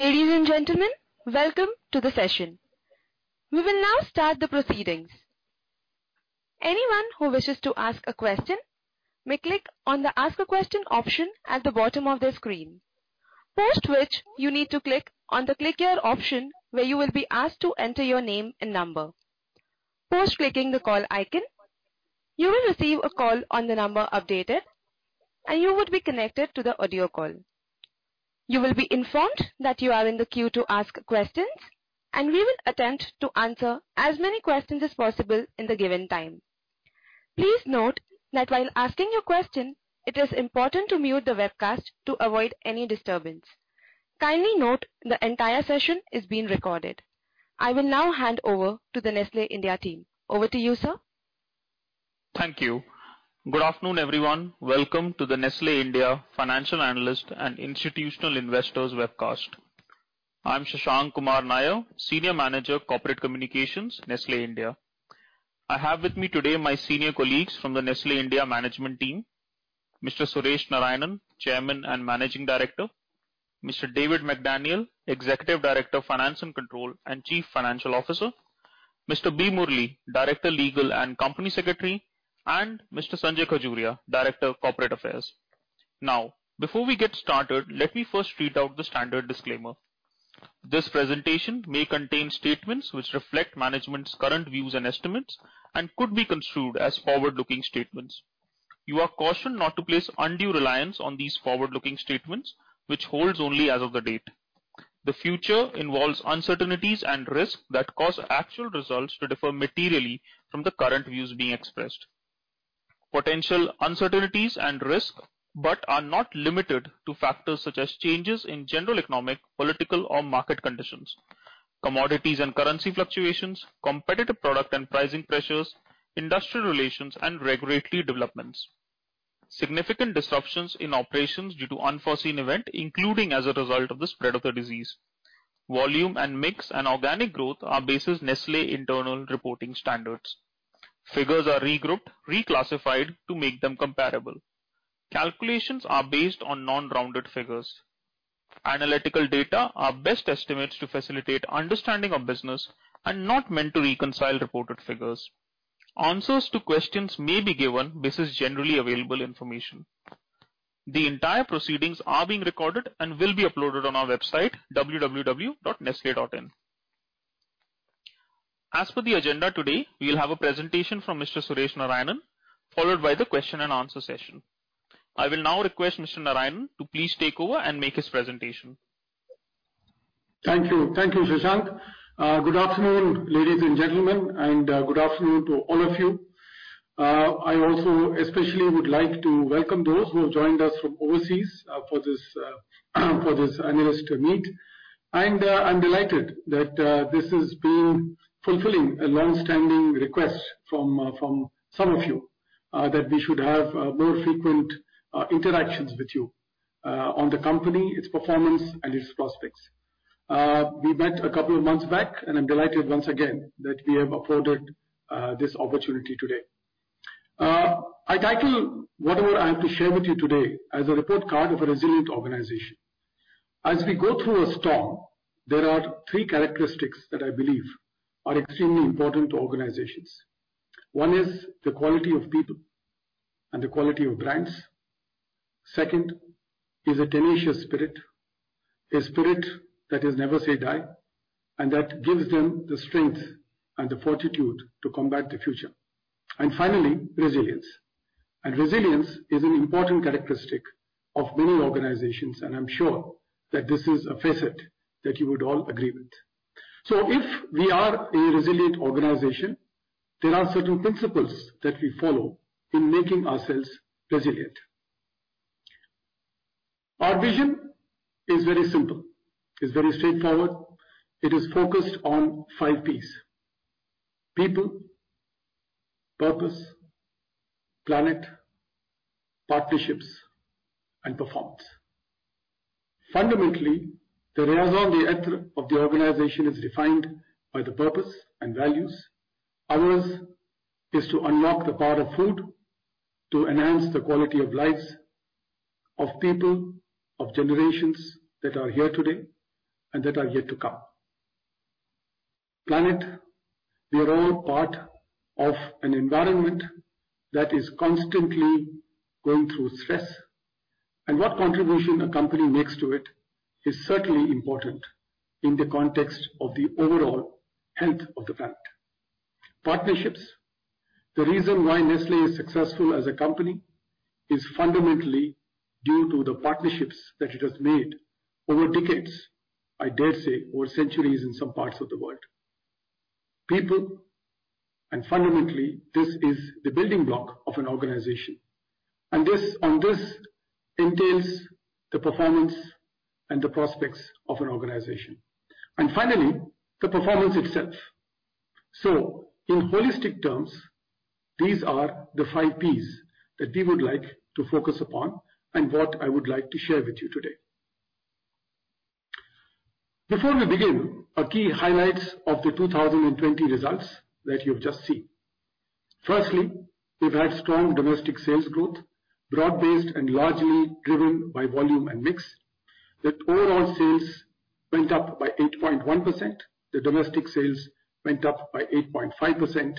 Ladies and gentlemen, welcome to the session. We will now start the proceedings. Anyone who wishes to ask a question may click on the Ask a Question option at the bottom of their screen. Post which, you need to click on the Click Here option, where you will be asked to enter your name and number. Post clicking the call icon, you will receive a call on the number updated, and you would be connected to the audio call. You will be informed that you are in the queue to ask questions, and we will attempt to answer as many questions as possible in the given time. Please note that while asking your question, it is important to mute the webcast to avoid any disturbance. Kindly note, the entire session is being recorded. I will now hand over to the Nestlé India team. Over to you, sir. Thank you. Good afternoon, everyone. Welcome to the Nestlé India Financial Analyst and Institutional Investors Webcast. I'm Shashank Kumar Nair, Senior Manager, Corporate Communications, Nestlé India. I have with me today my senior colleagues from the Nestlé India management team, Mr. Suresh Narayanan, Chairman and Managing Director, Mr. David McDaniel, Executive Director of Finance and Control and Chief Financial Officer, Mr. B. Murali, Director, Legal, and Company Secretary, and Mr. Sanjay Khajuria, Director of Corporate Affairs. Before we get started, let me first read out the standard disclaimer. This presentation may contain statements which reflect management's current views and estimates and could be construed as forward-looking statements. You are cautioned not to place undue reliance on these forward-looking statements, which holds only as of the date. The future involves uncertainties and risks that cause actual results to differ materially from the current views being expressed. Potential uncertainties and risks, but are not limited to factors such as changes in general economic, political, or market conditions, commodities and currency fluctuations, competitive product and pricing pressures, industrial relations and regulatory developments. Significant disruptions in operations due to unforeseen event, including as a result of the spread of the disease. Volume and mix and organic growth are based Nestlé's internal reporting standards. Figures are regrouped, reclassified to make them comparable. Calculations are based on non-rounded figures. Analytical data are best estimates to facilitate understanding of business and not meant to reconcile reported figures. Answers to questions may be given based on generally available information. The entire proceedings are being recorded and will be uploaded on our website, www.nestle.in. As for the agenda today, we will have a presentation from Mr. Suresh Narayanan, followed by the question and answer session. I will now request Mr. Narayanan to please take over and make his presentation. Thank you. Thank you, Shashank. Good afternoon, ladies and gentlemen, and good afternoon to all of you. I also especially would like to welcome those who have joined us from overseas, for this, for this analyst meet. I'm delighted that this has been fulfilling a long-standing request from some of you, that we should have more frequent interactions with you, on the company, its performance and its prospects. We met a couple of months back, and I'm delighted once again that we have afforded this opportunity today. I title whatever I have to share with you today as a report card of a resilient organization. As we go through a storm, there are three characteristics that I believe are extremely important to organizations. One is the quality of people and the quality of brands. Second is a tenacious spirit, a spirit that is never say die, and that gives them the strength and the fortitude to combat the future. Finally, resilience. Resilience is an important characteristic of many organizations, and I'm sure that this is a facet that you would all agree with. If we are a resilient organization, there are certain principles that we follow in making ourselves resilient. Our vision is very simple. It's very straightforward. It is focused on 5 P's: people, purpose, planet, partnerships, and performance. Fundamentally, the raison d'être of the organization is defined by the purpose and values. Ours is to unlock the power of food, to enhance the quality of lives of people, of generations that are here today and that are yet to come. Planet. We are all part of an environment that is constantly going through stress, and what contribution a company makes to it is certainly important in the context of the overall health of the planet. Partnerships. The reason why Nestlé is successful as a company is fundamentally due to the partnerships that it has made over decades, I dare say, over centuries in some parts of the world. People, and fundamentally, this is the building block of an organization, and this entails the performance and the prospects of an organization. Finally, the performance itself. In holistic terms, these are the five P's that we would like to focus upon and what I would like to share with you today. Before we begin, a key highlights of the 2020 results that you've just seen.... Firstly, we've had strong domestic sales growth, broad-based and largely driven by volume and mix, overall sales went up by 8.1%, the domestic sales went up by 8.5%,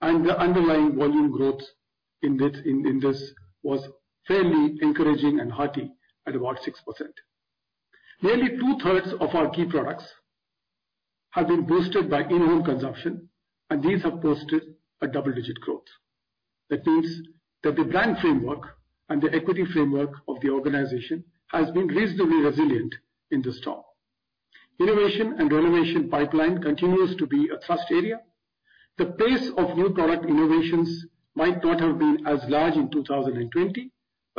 the underlying volume growth in this was fairly encouraging and hearty at about 6%. Nearly two-thirds of our key products have been boosted by in-home consumption, these have posted a double-digit growth. That means that the brand framework and the equity framework of the organization has been reasonably resilient in this term. Innovation and renovation pipeline continues to be a thrust area. The pace of new product innovations might not have been as large in 2020,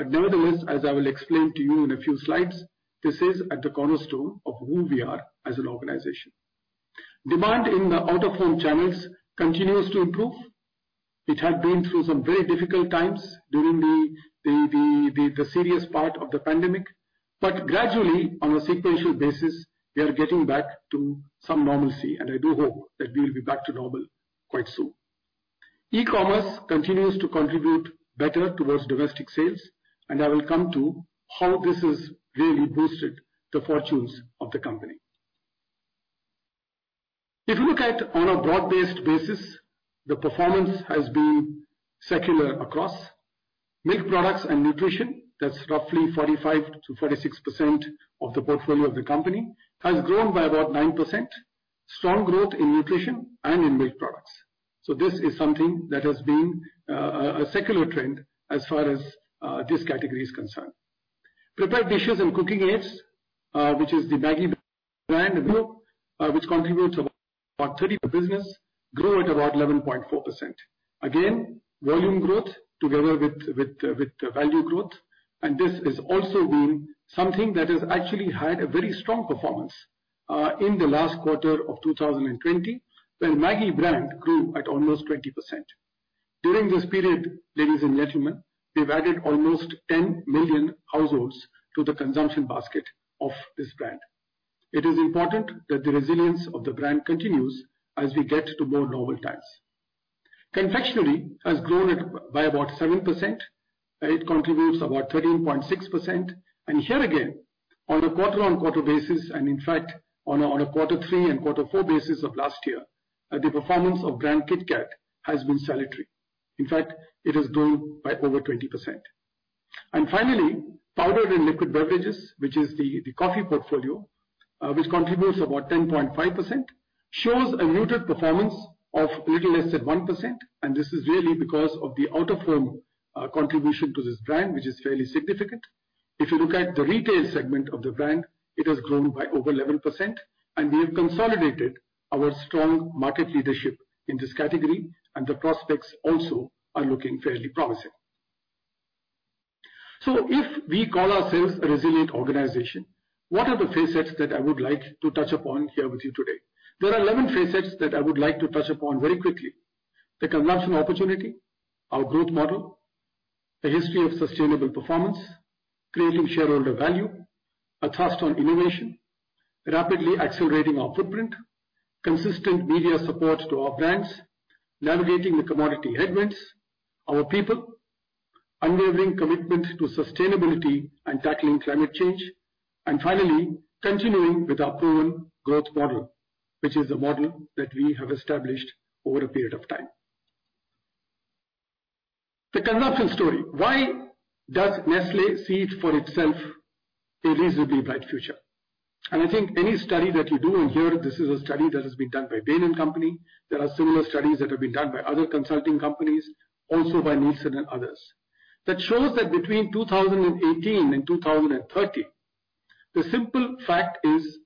nevertheless, as I will explain to you in a few slides, this is at the cornerstone of who we are as an organization. Demand in the out-of-home channels continues to improve. It had been through some very difficult times during the serious part of the pandemic, but gradually, on a sequential basis, we are getting back to some normalcy, and I do hope that we will be back to normal quite soon. E-commerce continues to contribute better towards domestic sales, and I will come to how this has really boosted the fortunes of the company. If you look at on a broad-based basis, the performance has been secular across. Milk products and nutrition, that's roughly 45%-46% of the portfolio of the company, has grown by about 9%. Strong growth in nutrition and in milk products. This is something that has been a secular trend as far as this category is concerned. Prepared dishes and cooking aids, which is the MAGGI brand group, which contributes about 30 of the business, grew at about 11.4%. Volume growth together with value growth, this has also been something that has actually had a very strong performance in the last quarter of 2020, when MAGGI brand grew at almost 20%. During this period, ladies and gentlemen, we've added almost 10 million households to the consumption basket of this brand. It is important that the resilience of the brand continues as we get to more normal times. Confectionery has grown at by about 7%, it contributes about 13.6%. Here again, on a quarter-on-quarter basis, in fact, on a quarter 3 and quarter 4 basis of last year, the performance of brand KitKat has been salutary. In fact, it has grown by over 20%. Finally, powder and liquid beverages, which is the coffee portfolio, which contributes about 10.5%, shows a muted performance of little less than 1%, and this is really because of the out-of-home contribution to this brand, which is fairly significant. If you look at the retail segment of the brand, it has grown by over 11%, and we have consolidated our strong market leadership in this category, and the prospects also are looking fairly promising. If we call ourselves a resilient organization, what are the facets that I would like to touch upon here with you today? There are 11 facets that I would like to touch upon very quickly. The consumption opportunity, our growth model, the history of sustainable performance, creating shareholder value, a thrust on innovation, rapidly accelerating our footprint, consistent media support to our brands, navigating the commodity headwinds, our people, unwavering commitment to sustainability and tackling climate change, and finally, continuing with our proven growth model, which is a model that we have established over a period of time. The consumption story. Why does Nestlé see it for itself a reasonably bright future? I think any study that you do, and here, this is a study that has been done by Bain & Company. There are similar studies that have been done by other consulting companies, also by Nielsen and others. That shows that between 2018 and 2030, the simple fact is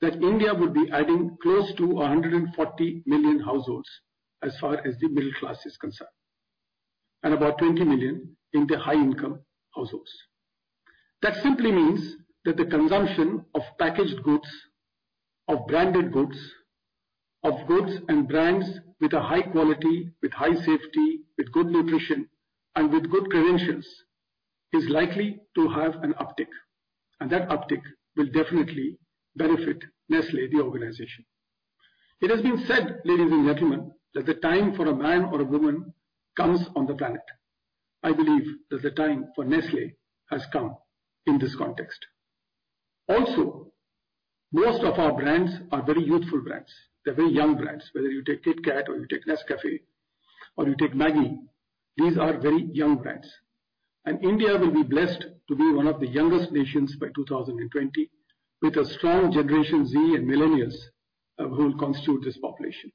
that India would be adding close to 140 million households as far as the middle class is concerned, and about 20 million in the high-income households. That simply means that the consumption of packaged goods, of branded goods, of goods and brands with a high quality, with high safety, with good nutrition, and with good credentials is likely to have an uptick, and that uptick will definitely benefit Nestlé, the organization. It has been said, ladies and gentlemen, that the time for a man or a woman comes on the planet. I believe that the time for Nestlé has come in this context. Most of our brands are very youthful brands. They're very young brands. Whether you take KitKat or you take Nescafé or you take MAGGI, these are very young brands. India will be blessed to be one of the youngest nations by 2020, with a strong Generation Z and millennials, who will constitute this population.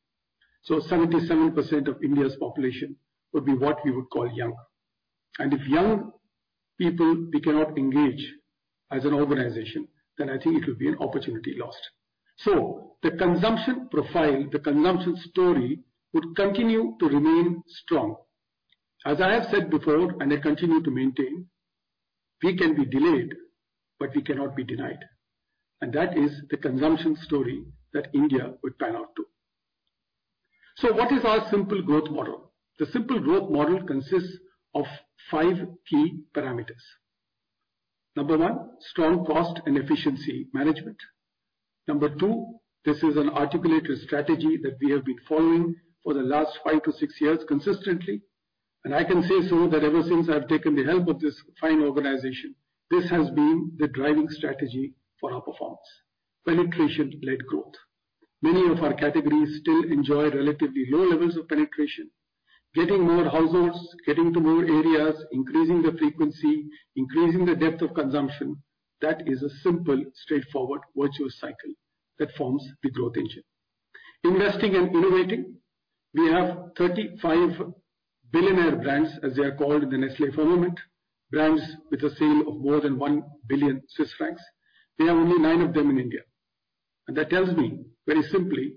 77% of India's population would be what we would call young. If young people, we cannot engage as an organization, then I think it would be an opportunity lost. The consumption profile, the consumption story, would continue to remain strong. As I have said before, and I continue to maintain, we can be delayed, but we cannot be denied, and that is the consumption story that India would pan out to. What is our simple growth model? The simple growth model consists of 5 key parameters...Number 1, strong cost and efficiency management. Number two, this is an articulated strategy that we have been following for the last five to six years consistently, and I can say so that ever since I've taken the help of this fine organization, this has been the driving strategy for our performance. Penetration-led growth. Many of our categories still enjoy relatively low levels of penetration. Getting more households, getting to more areas, increasing the frequency, increasing the depth of consumption, that is a simple, straightforward, virtuous cycle that forms the growth engine. Investing and innovating. We have 35 billionaire brands, as they are called in the Nestlé formula, brands with a sale of more than 1 billion Swiss francs. We have only nine of them in India, and that tells me very simply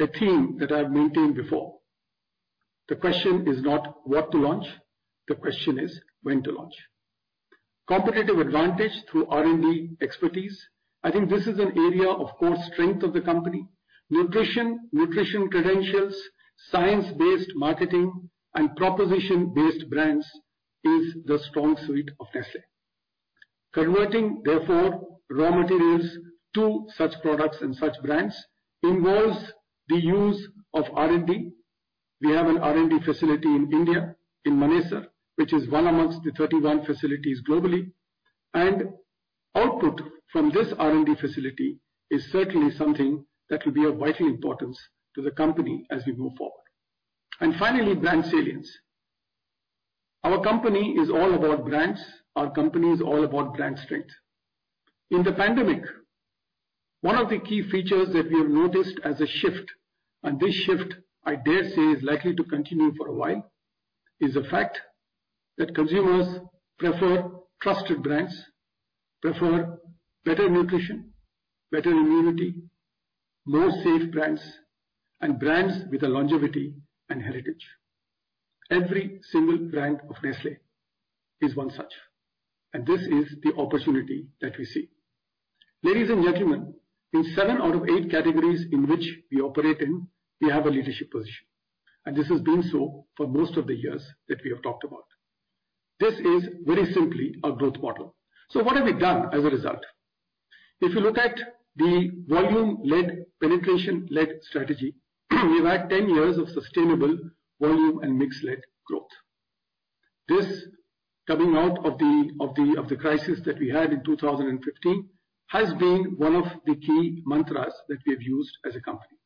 a theme that I've maintained before. The question is not what to launch, the question is when to launch. Competitive advantage through R&D expertise. I think this is an area of core strength of the company. Nutrition, nutrition credentials, science-based marketing, and proposition-based brands is the strong suite of Nestlé. Converting, therefore, raw materials to such products and such brands involves the use of R&D. We have an R&D facility in India, in Manesar, which is one amongst the 31 facilities globally, and output from this R&D facility is certainly something that will be of vital importance to the company as we move forward. Finally, brand salience. Our company is all about brands. Our company is all about brand strength. In the pandemic, one of the key features that we have noticed as a shift, and this shift, I dare say, is likely to continue for a while, is the fact that consumers prefer trusted brands, prefer better nutrition, better immunity, more safe brands, and brands with a longevity and heritage. Every single brand of Nestlé is one such. This is the opportunity that we see. Ladies and gentlemen, in 7 out of 8 categories in which we operate in, we have a leadership position. This has been so for most of the years that we have talked about. This is very simply our growth model. What have we done as a result? If you look at the volume-led, penetration-led strategy, we've had 10 years of sustainable volume and mix-led growth. This coming out of the crisis that we had in 2015, has been one of the key mantras that we have used as a company.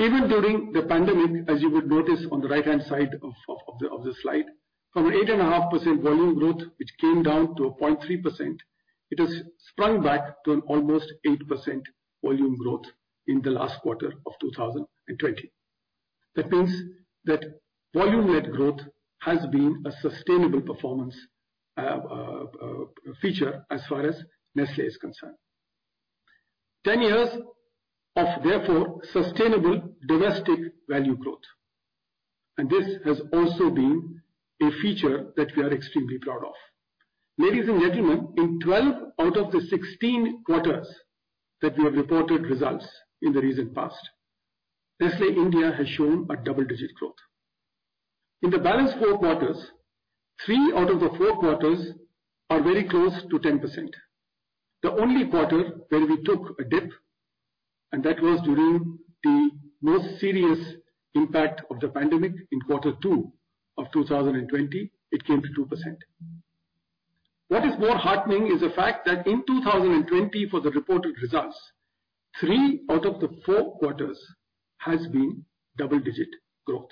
Even during the pandemic, as you would notice on the right-hand side of the slide, from an 8.5% volume growth, which came down to a 0.3%, it has sprung back to an almost 8% volume growth in the last quarter of 2020. That means that volume-led growth has been a sustainable performance feature as far as Nestlé is concerned. 10 years of, therefore, sustainable domestic value growth. This has also been a feature that we are extremely proud of. Ladies and gentlemen, in 12 out of the 16 quarters that we have reported results in the recent past, Nestlé India has shown a double-digit growth. In the balance 4 quarters, 3 out of the 4 quarters are very close to 10%. The only quarter where we took a dip, and that was during the most serious impact of the pandemic in quarter 2 of 2020, it came to 2%. What is more heartening is the fact that in 2020, for the reported results, 3 out of the 4 quarters has been double digit growth,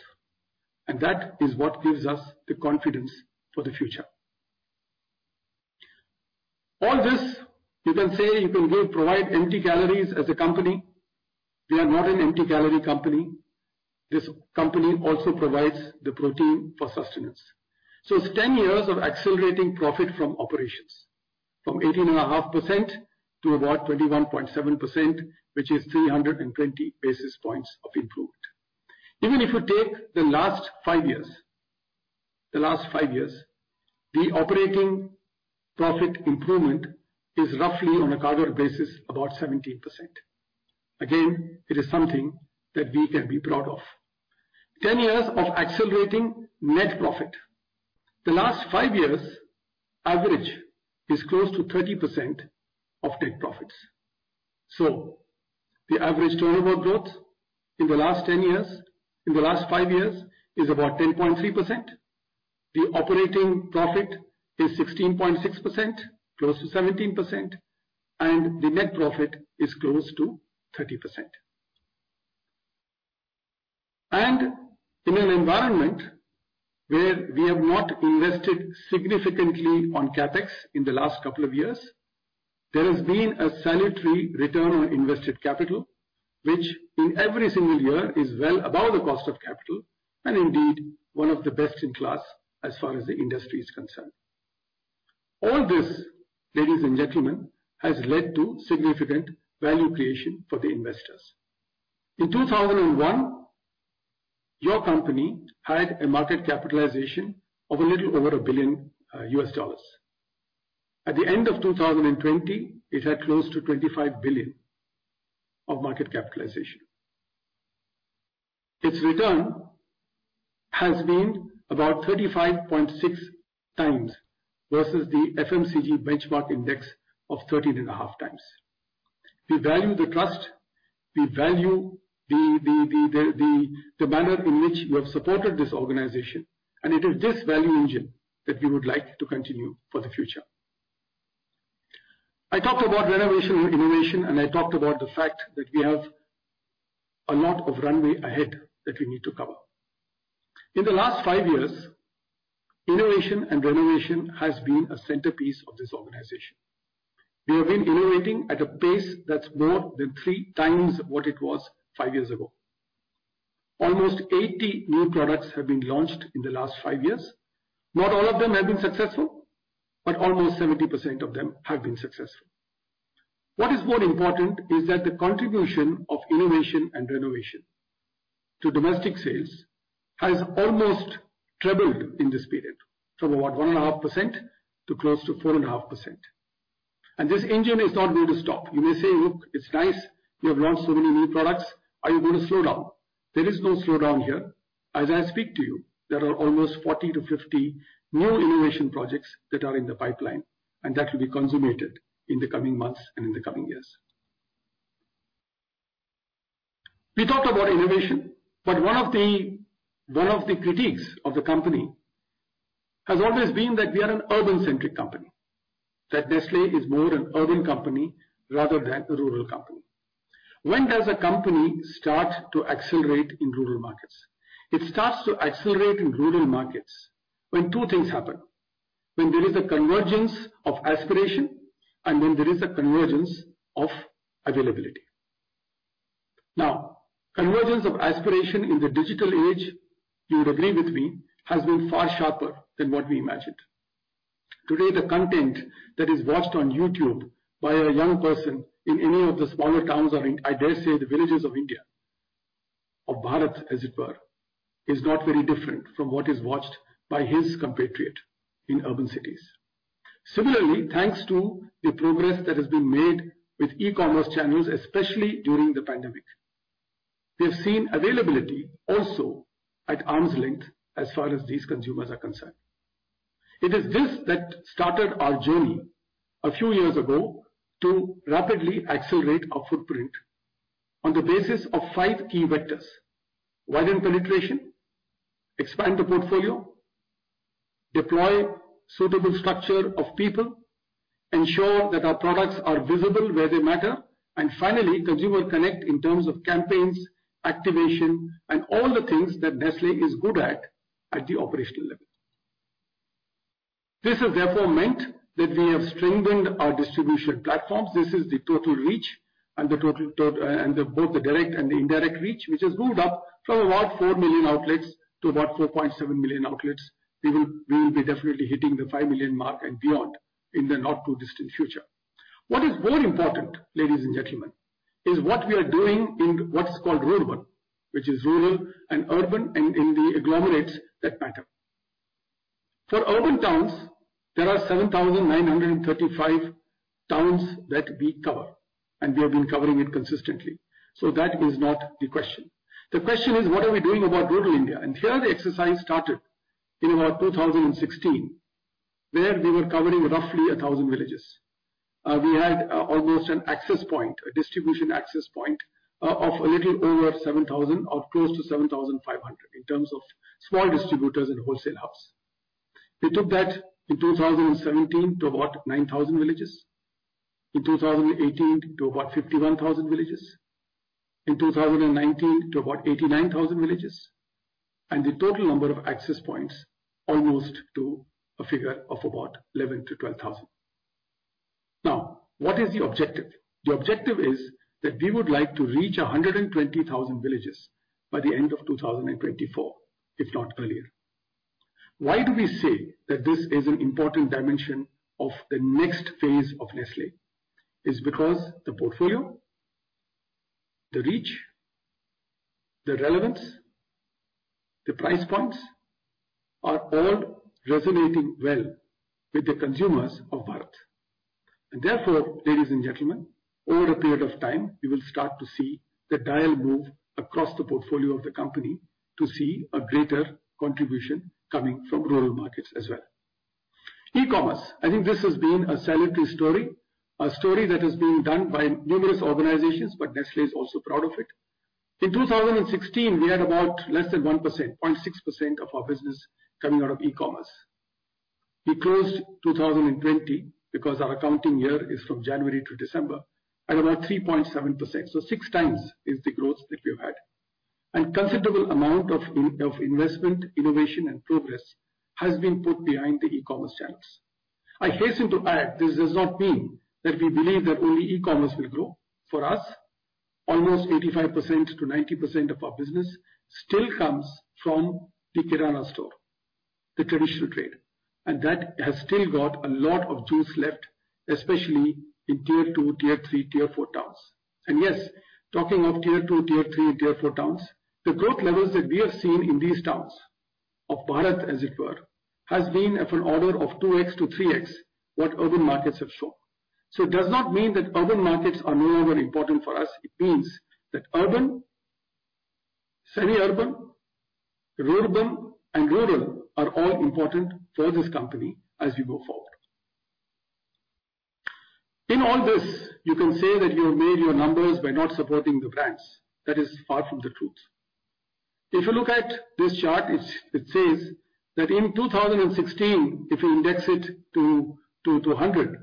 and that is what gives us the confidence for the future. All this, you can say you can go provide empty calories as a company. We are not an empty calorie company. This company also provides the protein for sustenance. It's 10 years of accelerating profit from operations, from 18.5% to about 21.7%, which is 320 basis points of improvement. Even if you take the last five years, the operating profit improvement is roughly on a quarter basis, about 17%. Again, it is something that we can be proud of. 10 years of accelerating net profit. The last 5 years' average is close to 30% of net profits. The average turnover growth in the last 10 years, in the last 5 years, is about 10.3%. The operating profit is 16.6%, close to 17%, and the net profit is close to 30%. In an environment where we have not invested significantly on CapEx in the last couple of years, there has been a salutary return on invested capital, which in every single year is well above the cost of capital and indeed one of the best in class as far as the industry is concerned. All this, ladies and gentlemen, has led to significant value creation for the investors. In 2001, your company had a market capitalization of a little over $1 billion. At the end of 2020, it had close to $25 billion of market capitalization. Its return has been about 35.6 times versus the FMCG benchmark index of 13.5 times. We value the trust, we value the manner in which you have supported this organization. It is this value engine that we would like to continue for the future. I talked about renovation and innovation. I talked about the fact that we have a lot of runway ahead that we need to cover. In the last five years, innovation and renovation has been a centerpiece of this organization. We have been innovating at a pace that's more than 3 times what it was 5 years ago. Almost 80 new products have been launched in the last 5 years. Not all of them have been successful, but almost 70% of them have been successful. What is more important is that the contribution of innovation and renovation to domestic sales has almost trebled in this period, from about 1.5% to close to 4.5%. This engine is not going to stop. You may say, "Look, it's nice you have launched so many new products. Are you going to slow down?" There is no slowdown here. As I speak to you, there are almost 40-50 new innovation projects that are in the pipeline, and that will be consummated in the coming months and in the coming years. We talked about innovation, but one of the critiques of the company has always been that we are an urban-centric company, that Nestlé is more an urban company rather than a rural company. When does a company start to accelerate in rural markets? It starts to accelerate in rural markets when two things happen: when there is a convergence of aspiration and when there is a convergence of availability. Now, convergence of aspiration in the digital age, you would agree with me, has been far sharper than what we imagined. Today, the content that is watched on YouTube by a young person in any of the smaller towns or, I dare say, the villages of India, of Bharat, as it were, is not very different from what is watched by his compatriot in urban cities. Similarly, thanks to the progress that has been made with e-commerce channels, especially during the pandemic, we have seen availability also at arm's length as far as these consumers are concerned. It is this that started our journey a few years ago to rapidly accelerate our footprint on the basis of five key vectors: widen penetration, expand the portfolio, deploy suitable structure of people, ensure that our products are visible where they matter, and finally, consumer connect in terms of campaigns, activation, and all the things that Nestlé is good at the operational level. This has therefore meant that we have strengthened our distribution platforms. This is the total reach and the both the direct and the indirect reach, which has moved up from about 4 million outlets to about 4.7 million outlets. We will be definitely hitting the 5 million mark and beyond in the not-too-distant future. What is more important, ladies and gentlemen, is what we are doing in what's called rurban, which is rural and urban, and in the agglomerates that matter. For urban towns, there are 7,935 towns that we cover, and we have been covering it consistently. That is not the question. The question is: What are we doing about rural India? Here, the exercise started in about 2016, where we were covering roughly 1,000 villages. We had almost an access point, a distribution access point, of a little over 7,000 or close to 7,500 in terms of small distributors and wholesale house. We took that in 2017 to about 9,000 villages, in 2018 to about 51,000 villages, in 2019 to about 89,000 villages, and the total number of access points almost to a figure of about 11,000-12,000. What is the objective? The objective is that we would like to reach 120,000 villages by the end of 2024, if not earlier. Why do we say that this is an important dimension of the next phase of Nestlé? Is because the portfolio, the reach, the relevance, the price points are all resonating well with the consumers of Bharat. Therefore, ladies and gentlemen, over a period of time, you will start to see the dial move across the portfolio of the company to see a greater contribution coming from rural markets as well. e-commerce. I think this has been a celebratory story, a story that has been done by numerous organizations, but Nestlé is also proud of it. In 2016, we had about less than 1%, 0.6%, of our business coming out of e-commerce. We closed 2020, because our accounting year is from January to December, at about 3.7%, so 6 times is the growth that we've had. Considerable amount of investment, innovation, and progress has been put behind the e-commerce channels. I hasten to add, this does not mean that we believe that only e-commerce will grow. For us, almost 85%-90% of our business still comes from the kirana store, the traditional trade, and that has still got a lot of juice left, especially in Tier 2, Tier 3, Tier 4 towns. Yes, talking of Tier 2, Tier 3, and Tier 4 towns, the growth levels that we have seen in these towns of Bharat as it were, has been of an order of 2x-3x, what urban markets have shown. It does not mean that urban markets are no longer important for us, it means that urban, semi-urban, rurban and rural are all important for this company as we go forward. In all this, you can say that you have made your numbers by not supporting the brands. That is far from the truth. If you look at this chart, it says that in 2016, if you index it to 100,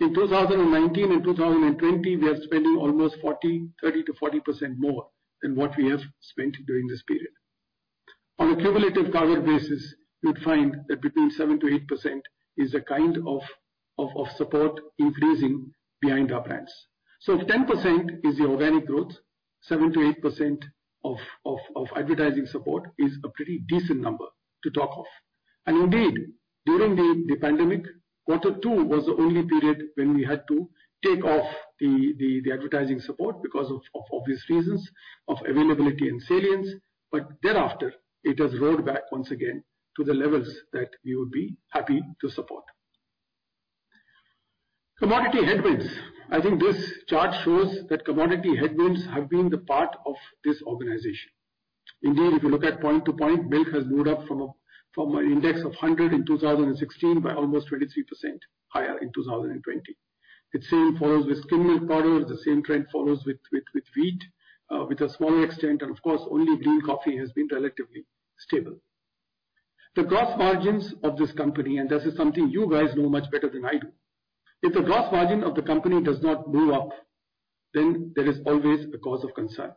in 2019 and 2020, we are spending almost 30%-40% more than what we have spent during this period. On a cumulative cover basis, you'd find that between 7%-8% is the kind of support increasing behind our brands. If 10% is the organic growth, 7%-8% of advertising support is a pretty decent number to talk of. Indeed, during the pandemic, Q2 was the only period when we had to take off the advertising support because of obvious reasons, of availability and salience, but thereafter, it has rolled back once again to the levels that we would be happy to support. Commodity headwinds. I think this chart shows that commodity headwinds have been the part of this organization. Indeed, if you look at point to point, milk has moved up from an index of 100 in 2016 by almost 23% higher in 2020. It same follows with skimmed milk powder, the same trend follows with wheat, with a smaller extent, and of course, only green coffee has been relatively stable. The gross margins of this company, and this is something you guys know much better than I do. If the gross margin of the company does not move up, then there is always a cause of concern.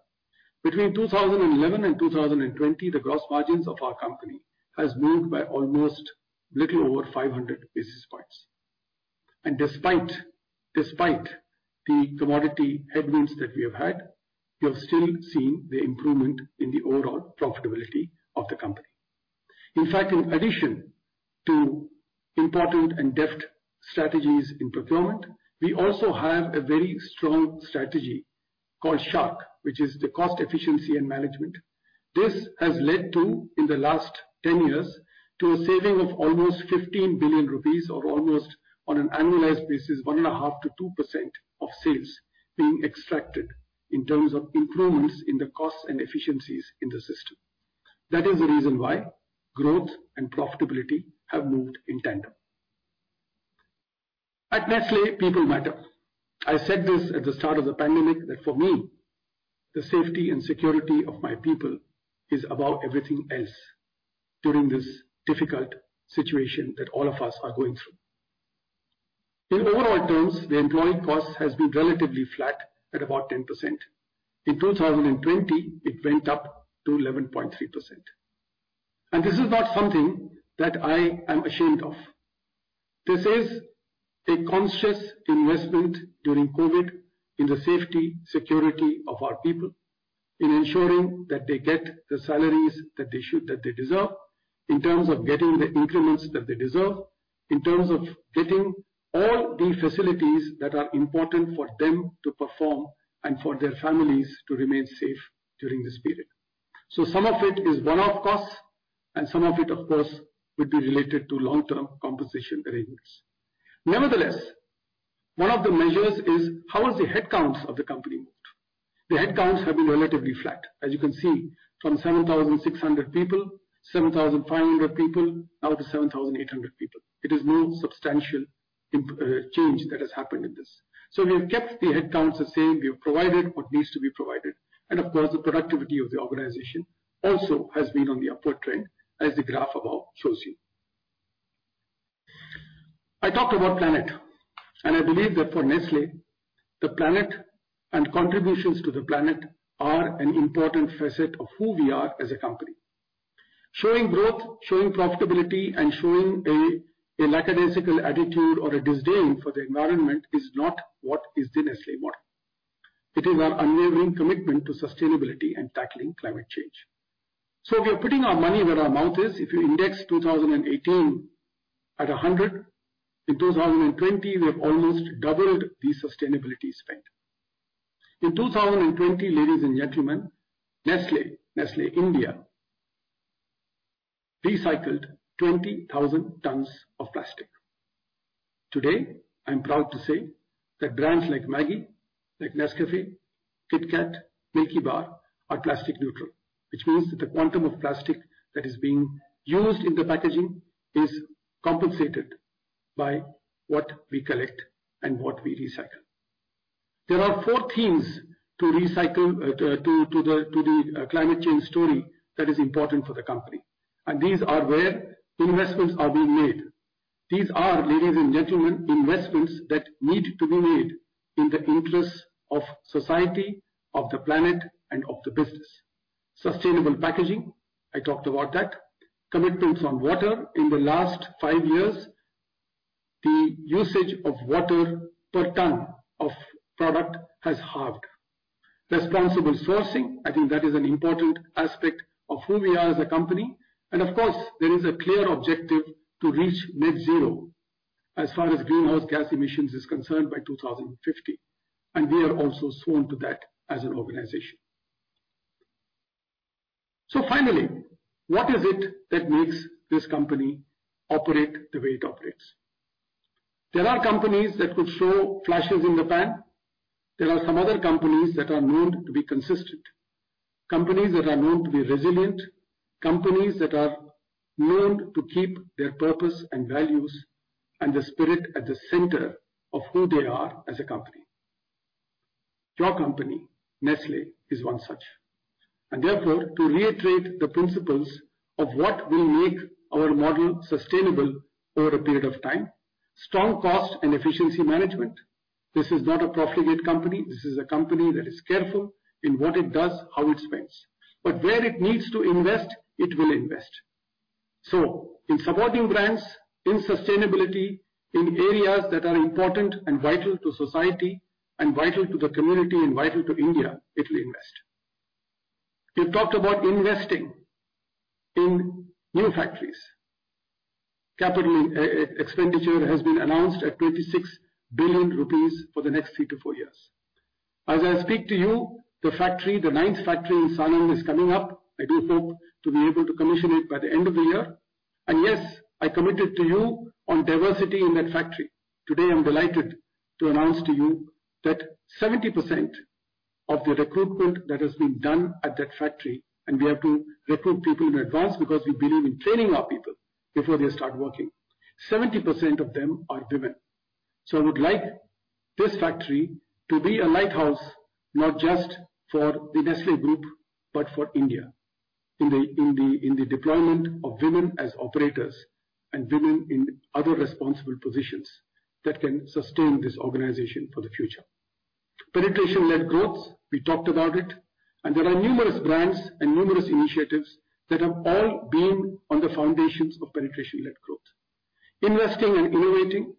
Between 2011 and 2020, the gross margins of our company has moved by almost little over 500 basis points. Despite the commodity headwinds that we have had, we have still seen the improvement in the overall profitability of the company. In fact, in addition to important and deft strategies in procurement, we also have a very strong strategy called SHARK, which is the cost efficiency and management. This has led to, in the last 10 years, to a saving of almost 15 billion rupees or almost on an annualized basis, 1.5%-2% of sales being extracted in terms of improvements in the costs and efficiencies in the system. That is the reason why growth and profitability have moved in tandem. At Nestlé, people matter. I said this at the start of the pandemic, that for me, the safety and security of my people is above everything else during this difficult situation that all of us are going through. In overall terms, the employee cost has been relatively flat at about 10%. In 2020, it went up to 11.3%. This is not something that I am ashamed of. This is a conscious investment during COVID in the safety, security of our people, in ensuring that they get the salaries that they should, that they deserve, in terms of getting the increments that they deserve, in terms of getting all the facilities that are important for them to perform and for their families to remain safe during this period. Some of it is one-off costs, and some of it, of course, would be related to long-term compensation arrangements. Nevertheless, one of the measures is how has the headcounts of the company moved? The headcounts have been relatively flat, as you can see, from 7,600 people, 7,500 people, now to 7,800 people. It is no substantial change that has happened in this. We have kept the headcounts the same. We have provided what needs to be provided, and of course, the productivity of the organization also has been on the upward trend, as the graph above shows you. I talked about planet, and I believe that for Nestlé, the planet and contributions to the planet are an important facet of who we are as a company. Showing growth, showing profitability, and showing a lackadaisical attitude or a disdain for the environment is not what is the Nestlé model. It is our unwavering commitment to sustainability and tackling climate change. We are putting our money where our mouth is. If you index 2018 at 100, in 2020, we have almost doubled the sustainability spend. In 2020, ladies and gentlemen, Nestlé India, recycled 20,000 tons of plastic. Today, I'm proud to say that brands like MAGGI, like Nescafé, KitKat, Milkybar, are plastic neutral, which means that the quantum of plastic that is being used in the packaging is compensated by what we collect and what we recycle. There are four themes to the climate change story that is important for the company. These are where investments are being made. These are, ladies and gentlemen, investments that need to be made in the interests of society, of the planet, and of the business. Sustainable packaging, I talked about that. Commitments on water. In the last 5 years, the usage of water per ton of product has halved. Responsible sourcing, I think that is an important aspect of who we are as a company, and of course, there is a clear objective to reach net zero as far as greenhouse gas emissions is concerned by 2,050, and we are also sworn to that as an organization. Finally, what is it that makes this company operate the way it operates? There are companies that could show flashes in the pan. There are some other companies that are known to be consistent, companies that are known to be resilient, companies that are known to keep their purpose and values and the spirit at the center of who they are as a company. Your company, Nestlé, is one such, and therefore, to reiterate the principles of what will make our model sustainable over a period of time, strong cost and efficiency management. This is not a profligate company. This is a company that is careful in what it does, how it spends, but where it needs to invest, it will invest. In supporting brands, in sustainability, in areas that are important and vital to society and vital to the community and vital to India, it will invest. We've talked about investing in new factories. Capital expenditure has been announced at 26 billion rupees for the next 3-4 years. As I speak to you, the factory, the ninth factory in Sanand is coming up. I do hope to be able to commission it by the end of the year. Yes, I committed to you on diversity in that factory. Today, I'm delighted to announce to you that 70% of the recruitment that has been done at that factory, and we have to recruit people in advance because we believe in training our people before they start working, 70% of them are women. I would like this factory to be a lighthouse, not just for the Nestlé Group, but for India, in the deployment of women as operators and women in other responsible positions that can sustain this organization for the future. Penetration-led growth, we talked about it, and there are numerous brands and numerous initiatives that have all been on the foundations of penetration-led growth. Investing and innovating,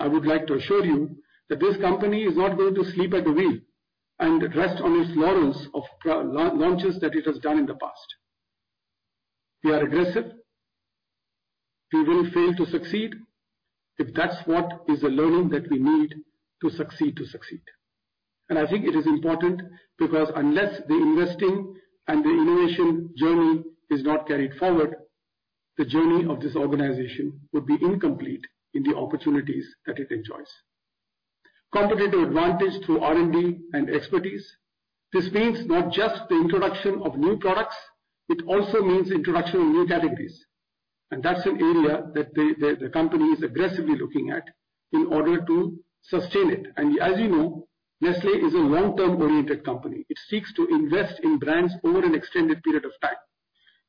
I would like to assure you that this company is not going to sleep at the wheel and rest on its laurels of pro- launches that it has done in the past. We are aggressive. We will fail to succeed, if that's what is the learning that we need to succeed. I think it is important because unless the investing and the innovation journey is not carried forward, the journey of this organization would be incomplete in the opportunities that it enjoys. Competitive advantage through R&D and expertise. This means not just the introduction of new products, it also means introduction of new categories, and that's an area that the company is aggressively looking at in order to sustain it. As you know, Nestlé is a long-term oriented company. It seeks to invest in brands over an extended period of time.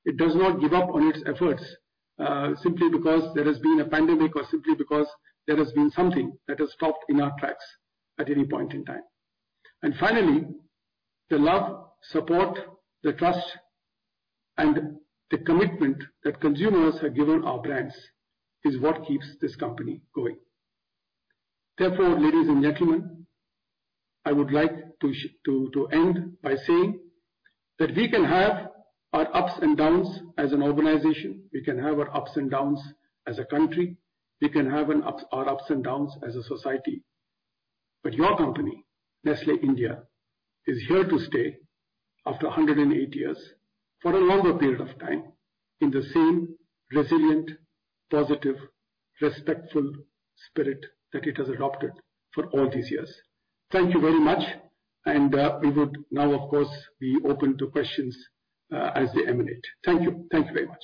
It does not give up on its efforts, simply because there has been a pandemic or simply because there has been something that has stopped in our tracks at any point in time. Finally, the love, support, the trust, and the commitment that consumers have given our brands is what keeps this company going. Therefore, ladies and gentlemen, I would like to end by saying that we can have our ups and downs as an organization, we can have our ups and downs as a country, we can have our ups and downs as a society, but your company, Nestlé India, is here to stay after 108 years for a longer period of time, in the same resilient, positive, respectful spirit that it has adopted for all these years. Thank you very much, and we would now, of course, be open to questions as they emanate. Thank you. Thank you very much.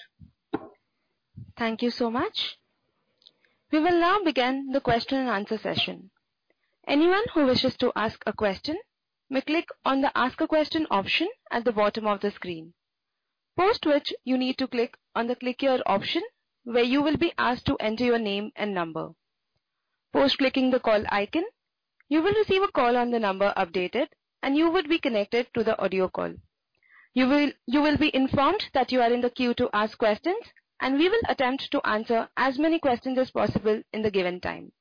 Thank you so much. We will now begin the question and answer session. Anyone who wishes to ask a question, may click on the Ask a Question option at the bottom of the screen. You need to click on the Click Here option, where you will be asked to enter your name and number. Post clicking the call icon, you will be informed that you are in the queue to ask questions. We will attempt to answer as many questions as possible in the given time.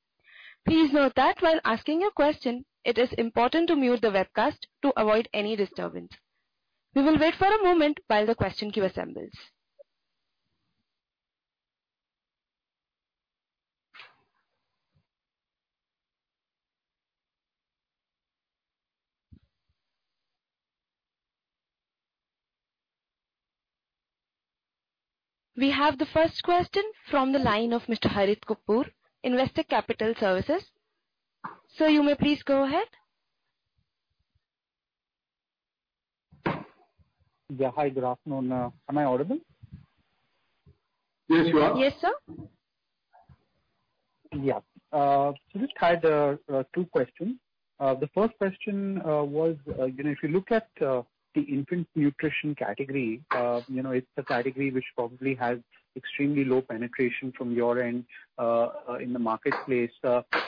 Please note that while asking your question, it is important to mute the webcast to avoid any disturbance. We will wait for a moment while the question queue assembles. We have the first question from the line of Mr. Harit Kapoor, Investec Capital Services. Sir, you may please go ahead. Yeah. Hi, good afternoon. Am I audible? Yes, you are. Yes, sir. Yeah. Just had 2 questions. The first question was, you know, if you look at the infant nutrition category, you know, it's a category which probably has extremely low penetration from your end in the marketplace,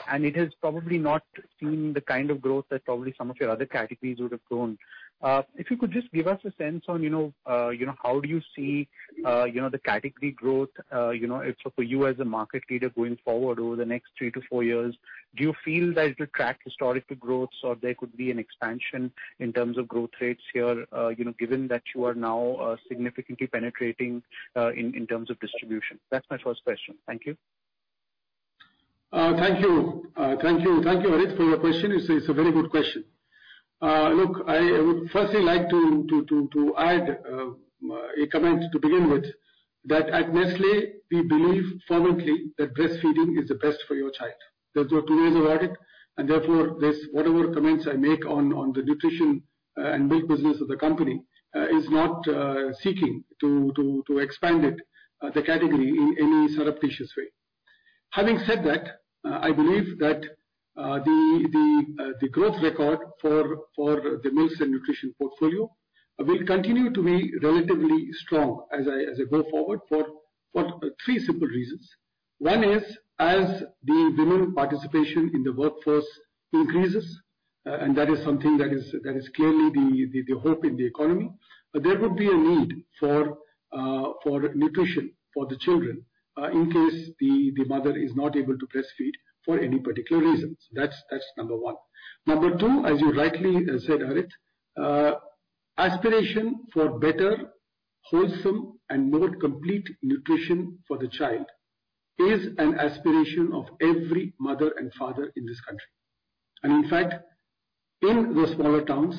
and it has probably not seen the kind of growth that probably some of your other categories would have grown. If you could just give us a sense on, you know, how do you see, you know, the category growth, you know, for you as a market leader going forward over the next 3-4 years? Do you feel that it will track historical growth, or there could be an expansion in terms of growth rates here, you know, given that you are now significantly penetrating in terms of distribution? That's my first question. Thank you. Thank you. Thank you, thank you, Harit, for your question. It's a very good question. Look, I would firstly like to add a comment to begin with, that at Nestlé, we believe fervently that breastfeeding is the best for your child. There's no two ways about it, and therefore, this, whatever comments I make on the nutrition and milk business of the company, is not seeking to expand it, the category in any surreptitious way. Having said that, I believe that the growth record for the milks and nutrition portfolio, will continue to be relatively strong as I go forward for three simple reasons. One is, as the women participation in the workforce increases, and that is something that is clearly the hope in the economy, there would be a need for nutrition for the children, in case the mother is not able to breastfeed for any particular reasons. That's number one. Number two, as you rightly said, Harit, aspiration for better, wholesome and more complete nutrition for the child, is an aspiration of every mother and father in this country. In fact, in the smaller towns,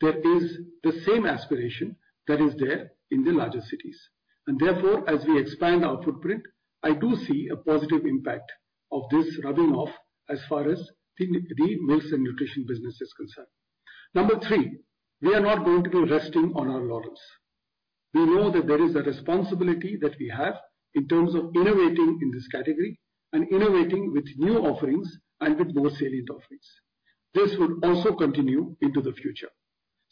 there is the same aspiration that is there in the larger cities. Therefore, as we expand our footprint, I do see a positive impact of this rubbing off as far as the milks and nutrition business is concerned. Number three, we are not going to be resting on our laurels. We know that there is a responsibility that we have in terms of innovating in this category and innovating with new offerings and with more salient offerings. This will also continue into the future.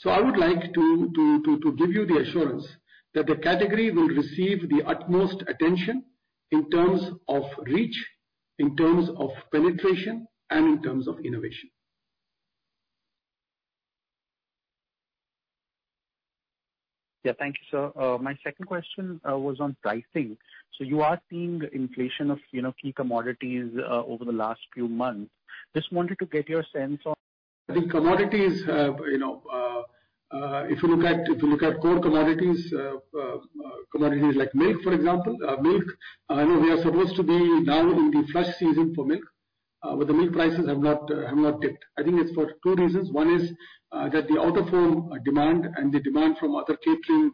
I would like to give you the assurance that the category will receive the utmost attention in terms of reach, in terms of penetration, and in terms of innovation. Yeah. Thank you, sir. My second question was on pricing. You are seeing inflation of, you know, key commodities, over the last few months. Just wanted to get your sense on. The commodities, you know, if you look at, if you look at core commodities like milk, for example, milk, I know we are supposed to be now in the flush season for milk, but the milk prices have not dipped. I think it's for two reasons: one is, that the out-of-home demand and the demand from other catering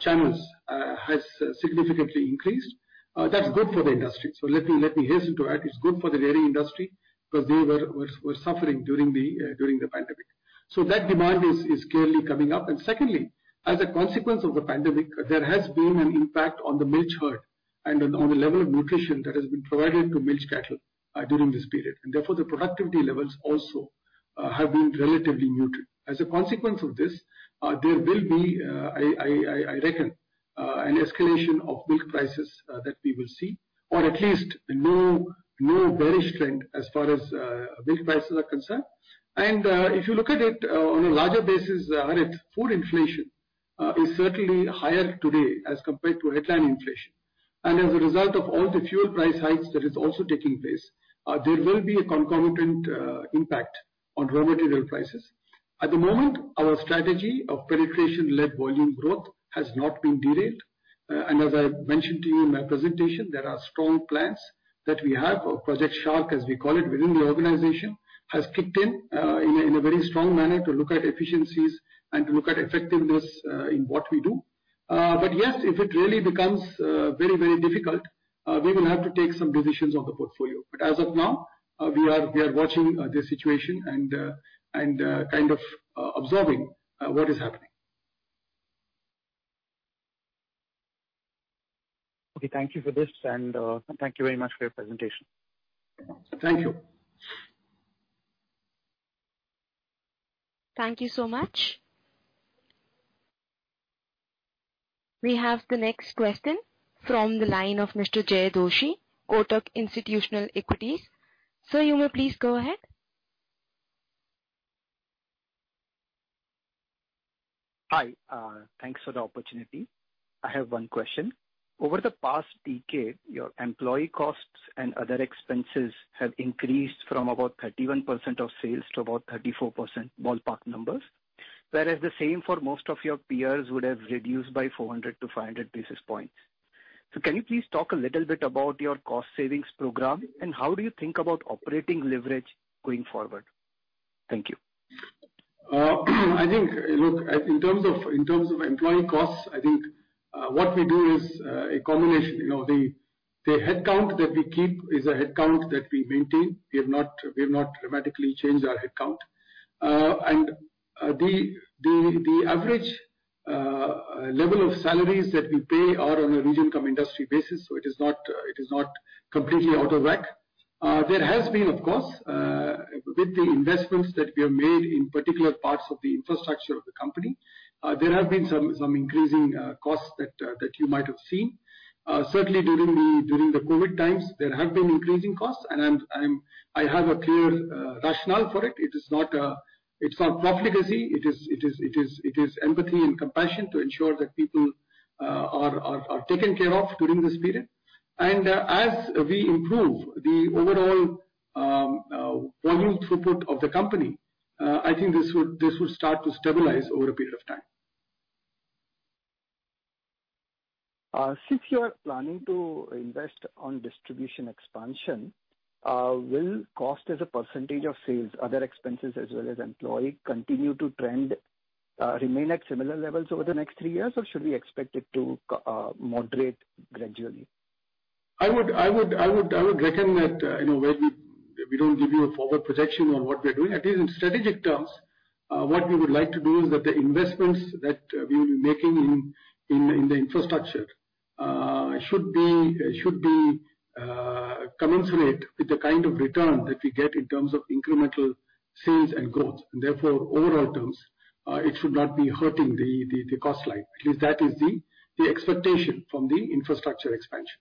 channels has significantly increased. That's good for the industry. Let me hasten to add, it's good for the dairy industry, because they were suffering during the pandemic. That demand is clearly coming up. Secondly, as a consequence of the pandemic, there has been an impact on the milk herd and on the level of nutrition that has been provided to milk cattle during this period, and therefore, the productivity levels also have been relatively muted. As a consequence of this, there will be I reckon an escalation of milk prices that we will see, or at least no bearish trend as far as milk prices are concerned. If you look at it on a larger basis, Harit, food inflation is certainly higher today as compared to headline inflation. As a result of all the fuel price hikes that is also taking place, there will be a concomitant impact on raw material prices. At the moment, our strategy of penetration-led volume growth has not been derailed. As I mentioned to you in my presentation, there are strong plans that we have. Our Project Shark, as we call it within the organization, has kicked in in a very strong manner to look at efficiencies and to look at effectiveness in what we do. Yes, if it really becomes very, very difficult, we will have to take some decisions on the portfolio. As of now, we are watching the situation and kind of observing what is happening. Okay, thank you for this. Thank you very much for your presentation. Thank you. Thank you so much. We have the next question from the line of Mr. Jaykumar Doshi, Kotak Institutional Equities. Sir, you may please go ahead. Hi, thanks for the opportunity. I have one question: Over the past decade, your employee costs and other expenses have increased from about 31% of sales to about 34% ballpark numbers, whereas the same for most of your peers would have reduced by 400-500 basis points. Can you please talk a little bit about your cost savings program, and how do you think about operating leverage going forward? Thank you. I think, look, in terms of, in terms of employee costs, I think, what we do is a combination. You know, the headcount that we keep is a headcount that we maintain. We have not, we have not dramatically changed our headcount. The average level of salaries that we pay are on a region cum industry basis, so it is not, it is not completely out of whack. There has been, of course, with the investments that we have made, in particular parts of the infrastructure of the company, there have been some increasing costs that you might have seen. Certainly during the COVID times, there have been increasing costs, and I have a clear rationale for it. It is not, it's not profligacy. It is empathy and compassion to ensure that people are taken care of during this period. As we improve the overall volume throughput of the company, I think this would start to stabilize over a period of time. Since you are planning to invest on distribution expansion, will cost as a percentage of sales, other expenses as well as employee continue to trend, remain at similar levels over the next 3 years, or should we expect it to moderate gradually? I would reckon that, you know, where we don't give you a forward projection on what we are doing. At least in strategic terms, what we would like to do is that the investments that we will be making in the infrastructure should be commensurate with the kind of return that we get in terms of incremental sales and growth. Therefore, overall terms, it should not be hurting the cost line. At least that is the expectation from the infrastructure expansion.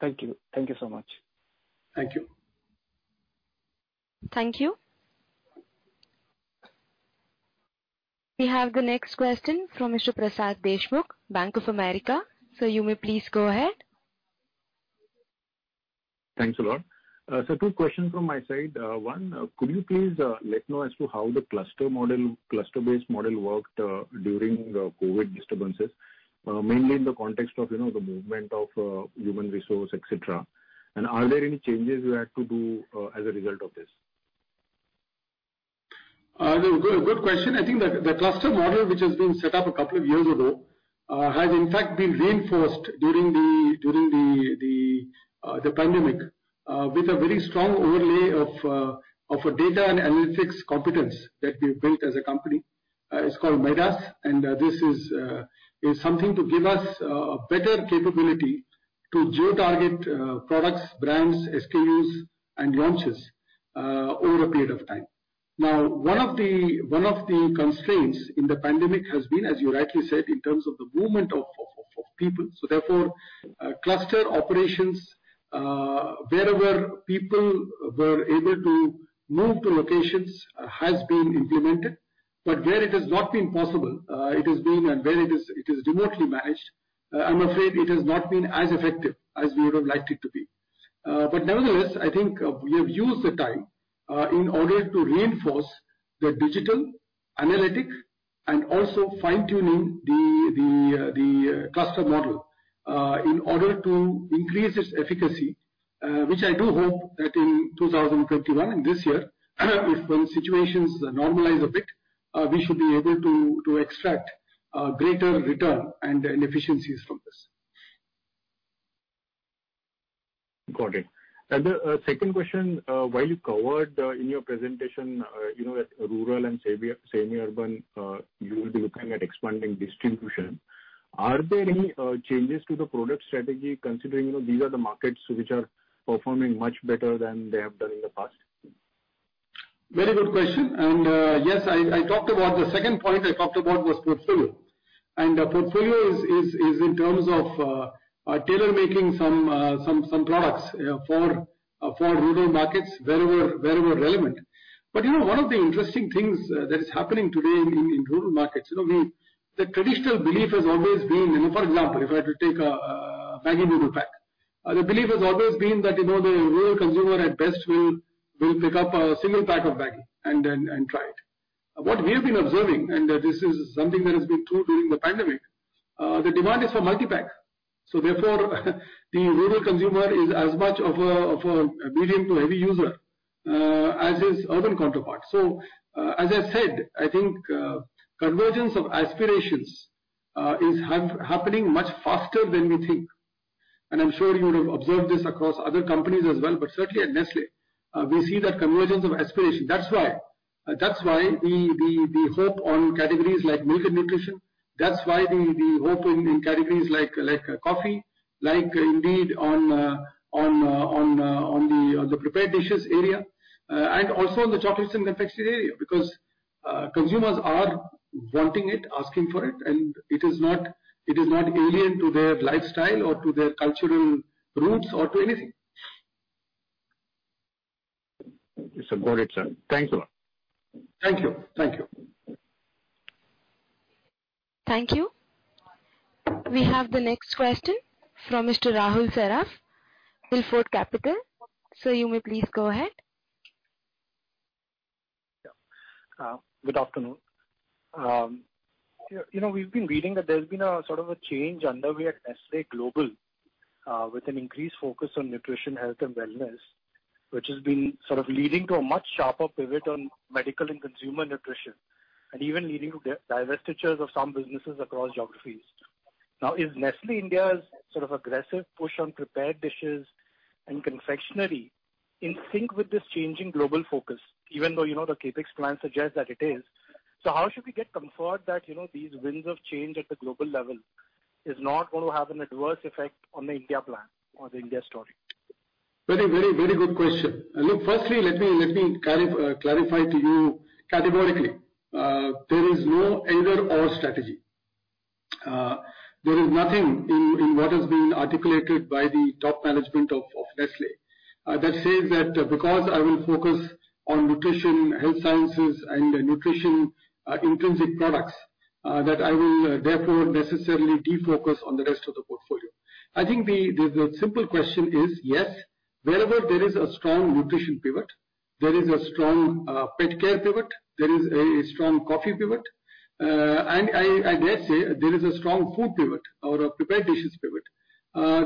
Thank you. Thank you so much. Thank you. Thank you. We have the next question from Mr. Prasad Deshmukh, Bank of America. Sir, you may please go ahead. Thanks a lot. 2 questions from my side. 1, could you please let know as to how the cluster model, cluster-based model worked during the COVID disturbances? Mainly in the context of, you know, the movement of human resource, et cetera. Are there any changes you had to do as a result of this? Good, good question. I think that the cluster model, which has been set up a couple of years ago, has in fact been reinforced during the pandemic, with a very strong overlay of a data and analytics competence that we've built as a company. It's called MIDAS, and this is something to give us a better capability to geo-target products, brands, SKUs, and launches over a period of time. Now, one of the constraints in the pandemic has been, as you rightly said, in terms of the movement of people. Therefore, cluster operations, wherever people were able to move to locations, has been implemented. Where it has not been possible, it has been, and where it is, it is remotely managed, I'm afraid it has not been as effective as we would have liked it to be. Nevertheless, I think, we have used the time, in order to reinforce the digital, analytic, and also fine-tuning the cluster model, in order to increase its efficacy, which I do hope that in 2021, in this year, if when situations normalize a bit, we should be able to extract, greater return and efficiencies from this. Got it. The second question, while you covered, in your presentation, you know, that rural and semi-urban, you will be looking at expanding distribution, are there any changes to the product strategy, considering, you know, these are the markets which are performing much better than they have done in the past? Very good question. Yes, the second point I talked about was portfolio. The portfolio is in terms of tailor-making some products for rural markets wherever relevant. You know, one of the interesting things that is happening today in rural markets, you know, the traditional belief has always been, you know, for example, if I were to take a Maggi Noodles pack, the belief has always been that, you know, the rural consumer at best will pick up a single pack of Maggi and then try it. What we have been observing, and this is something that has been true during the pandemic, the demand is for multi-pack. Therefore, the rural consumer is as much of a, of a medium to heavy user, as his urban counterpart. As I said, I think, convergence of aspirations, is happening much faster than we think. I'm sure you would have observed this across other companies as well, but certainly at Nestlé, we see that convergence of aspiration. That's why, that's why we hope on categories like milk and nutrition. That's why we hope in categories like coffee, like indeed, on the prepared dishes area, and also on the chocolates and confectionery area. Consumers are wanting it, asking for it, and it is not alien to their lifestyle or to their cultural roots or to anything. Yes, sir. Got it, sir. Thank you. Thank you. Thank you. Thank you. We have the next question from Mr. Rahul Saraf, Spark Capital. Sir, you may please go ahead. Good afternoon. You know, we've been reading that there's been a sort of a change underway at Nestlé Global, with an increased focus on nutrition, health, and wellness, which has been sort of leading to a much sharper pivot on medical and consumer nutrition, and even leading to divestitures of some businesses across geographies. Is Nestlé India's sort of aggressive push on prepared dishes and confectionery in sync with this changing global focus, even though, you know the CapEx plan suggests that it is? How should we get comfort that, you know, these winds of change at the global level is not going to have an adverse effect on the India plan or the India story? Very, very, very good question. Look, firstly, let me clarify to you categorically, there is no either/or strategy. There is nothing in what has been articulated by the top management of Nestlé that says that because I will focus on nutrition, health sciences, and nutrition intrinsic products that I will therefore necessarily defocus on the rest of the portfolio. I think the simple question is, yes, wherever there is a strong nutrition pivot. There is a strong pet care pivot, there is a strong coffee pivot, and I dare say there is a strong food pivot or a prepared dishes pivot.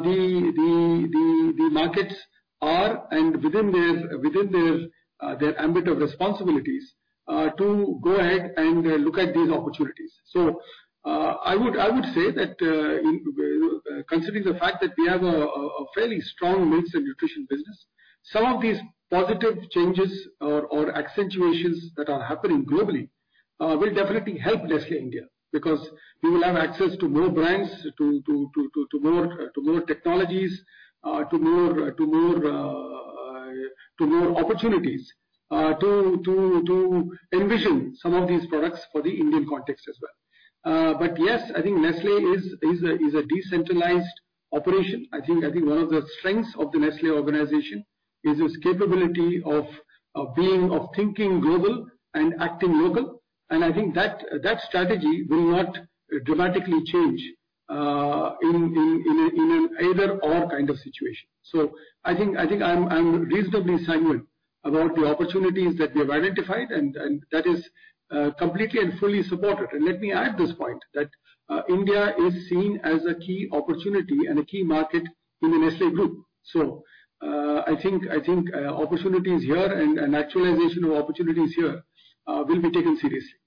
The markets are and within their ambit of responsibilities to go ahead and look at these opportunities. I would say that, considering the fact that we have a fairly strong meats and nutrition business, some of these positive changes or accentuations that are happening globally, will definitely help Nestlé India, because we will have access to more brands, to more technologies, to more opportunities, to envision some of these products for the Indian context as well. Yes, I think Nestlé is a decentralized operation. I think one of the strengths of the Nestlé organization is its capability of being, of thinking global and acting local, and I think that strategy will not dramatically change in an either/or kind of situation. I think I'm reasonably sanguine about the opportunities that we have identified, and that is completely and fully supported. Let me add this point, that India is seen as a key opportunity and a key market in the Nestlé Group. I think opportunities here and actualization of opportunities here will be taken seriously.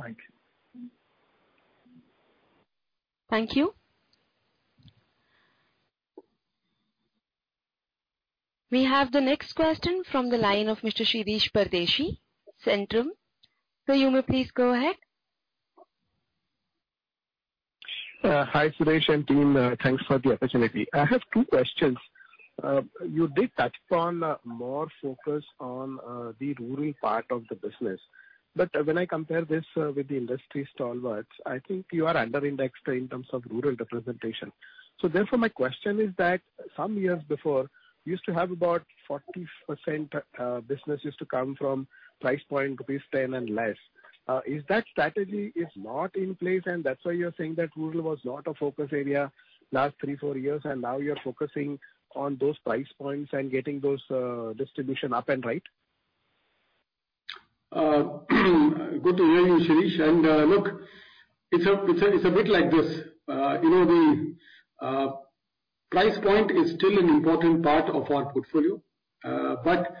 Thank you. Thank you. We have the next question from the line of Mr. Shirish Pardeshi, Centrum. You may please go ahead. Hi, Suresh and team. Thanks for the opportunity. I have 2 questions. You did touch upon more focus on the rural part of the business. When I compare this with the industry stalwarts, I think you are under indexed in terms of rural representation. Therefore, my question is that some years before, you used to have about 40%, business used to come from price point rupees 10 and less. Is that strategy is not in place, and that's why you're saying that rural was not a focus area last 3, 4 years, and now you're focusing on those price points and getting those distribution up and right? Good to hear you, Shirish. Look, it's a bit like this. You know, the price point is still an important part of our portfolio, but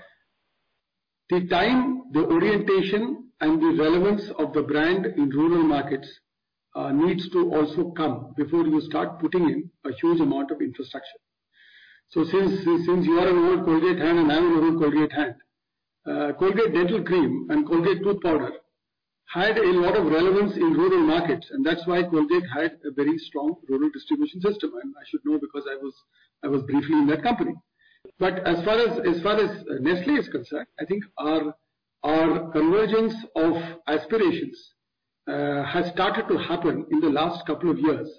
the time, the orientation and the relevance of the brand in rural markets needs to also come before you start putting in a huge amount of infrastructure. Since you are an old Colgate hand, and I'm an old Colgate hand, Colgate Dental Cream and Colgate Tooth Powder had a lot of relevance in rural markets, and that's why Colgate had a very strong rural distribution system. I should know because I was briefly in that company. As far as Nestlé is concerned, I think our convergence of aspirations has started to happen in the last couple of years.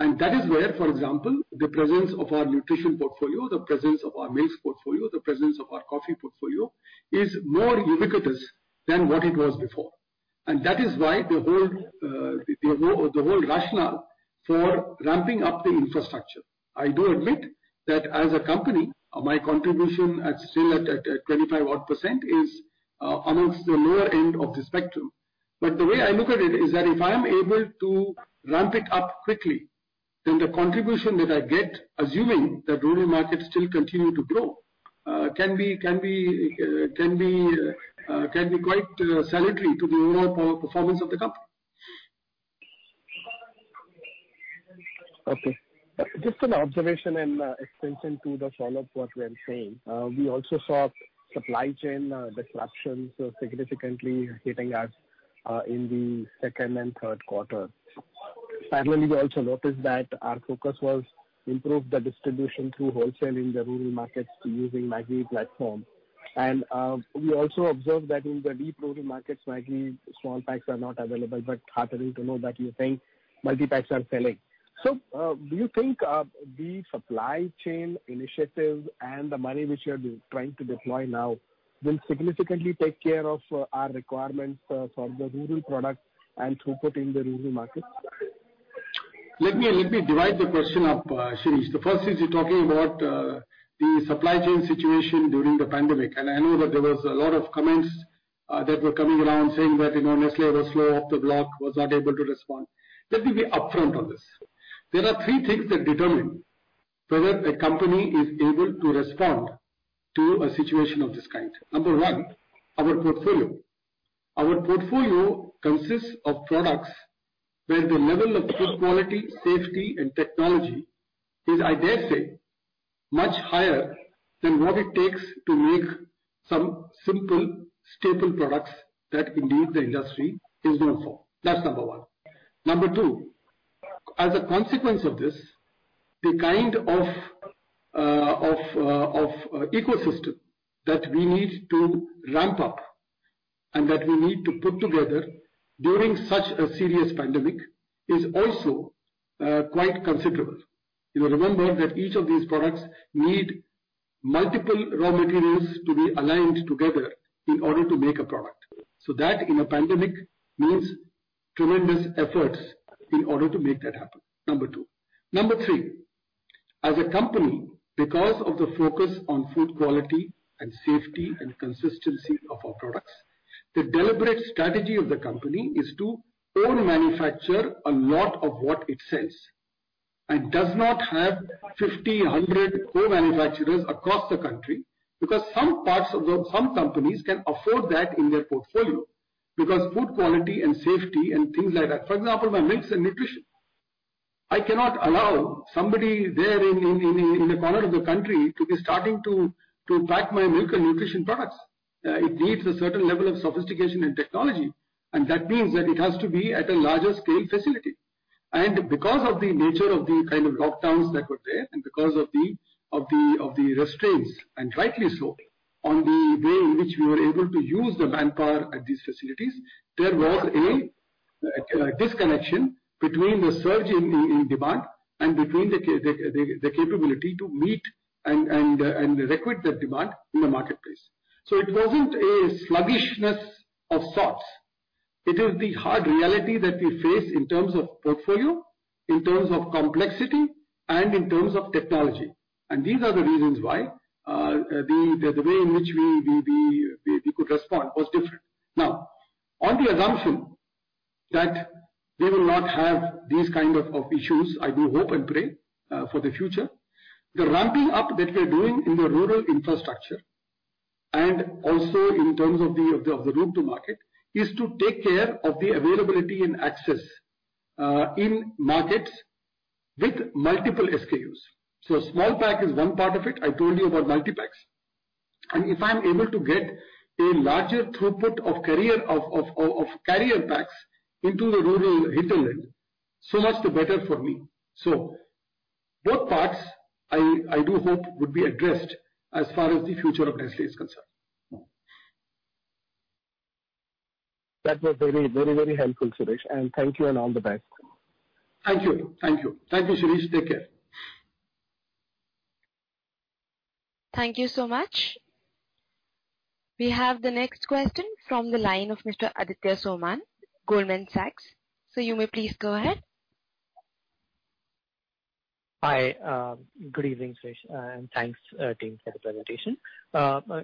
That is where, for example, the presence of our nutrition portfolio, the presence of our meats portfolio, the presence of our coffee portfolio, is more ubiquitous than what it was before. That is why the whole rationale for ramping up the infrastructure. I do admit that as a company, my contribution at, still at 25 odd % is amongst the lower end of the spectrum. The way I look at it is that if I am able to ramp it up quickly, then the contribution that I get, assuming the rural markets still continue to grow, can be quite salutary to the overall performance of the company. Okay. Just an observation and extension to the follow-up what we are saying. We also saw supply chain disruptions significantly hitting us in the second and third quarter. We also noticed that our focus was improve the distribution through wholesaling in the rural markets to using Maggi platform. We also observed that in the deep rural markets, Maggi small packs are not available, but heartening to know that you think multipacks are selling. Do you think the supply chain initiative and the money which you are trying to deploy now will significantly take care of our requirements for the rural products and throughput in the rural markets? Let me divide the question up, Shirish. The first is you're talking about, the supply chain situation during the pandemic. I know that there was a lot of comments, that were coming around saying that, you know, Nestlé was slow off the block, was not able to respond. Let me be upfront on this. There are 3 things that determine whether a company is able to respond to a situation of this kind. Number 1, our portfolio. Our portfolio consists of products where the level of food quality, safety, and technology is, I dare say, much higher than what it takes to make some simple, staple products that indeed the industry is known for. That's number 1. Number 2, as a consequence of this, the kind of ecosystem that we need to ramp up and that we need to put together during such a serious pandemic is also quite considerable. You remember that each of these products need multiple raw materials to be aligned together in order to make a product. That in a pandemic, means tremendous efforts in order to make that happen, Number 2. Number 3, as a company, because of the focus on food quality and safety and consistency of our products, the deliberate strategy of the company is to own manufacture a lot of what it sells, and does not have 50, 100 co-manufacturers across the country, because some companies can afford that in their portfolio, because food quality and safety and things like that. For example, my milks and nutrition. I cannot allow somebody there in the corner of the country to be starting to pack my milk and nutrition products. It needs a certain level of sophistication and technology, that means that it has to be at a larger scale facility. Because of the nature of the kind of lockdowns that were there, and because of the restraints, and rightly so, on the way in which we were able to use the manpower at these facilities, there was a disconnection between the surge in demand and between the capability to meet and record that demand in the marketplace. It wasn't a sluggishness of sorts. It is the hard reality that we face in terms of portfolio, in terms of complexity and in terms of technology. These are the reasons why the way in which we could respond was different. Now, on the assumption that we will not have these kinds of issues, I do hope and pray for the future. The ramping up that we are doing in the rural infrastructure, and also in terms of the route to market, is to take care of the availability and access in markets with multiple SKUs. Small pack is one part of it. I told you about multipacks. If I'm able to get a larger throughput of carrier packs into the rural hinterland, so much the better for me. Both parts, I do hope would be addressed as far as the future of Nestlé is concerned. That was very, very, very helpful, Suresh. Thank you and all the best. Thank you, Shirish. Take care. Thank you so much. We have the next question from the line of Mr. Aditya Soman, Goldman Sachs. You may please go ahead. Hi, good evening, Suresh, and thanks, team, for the presentation.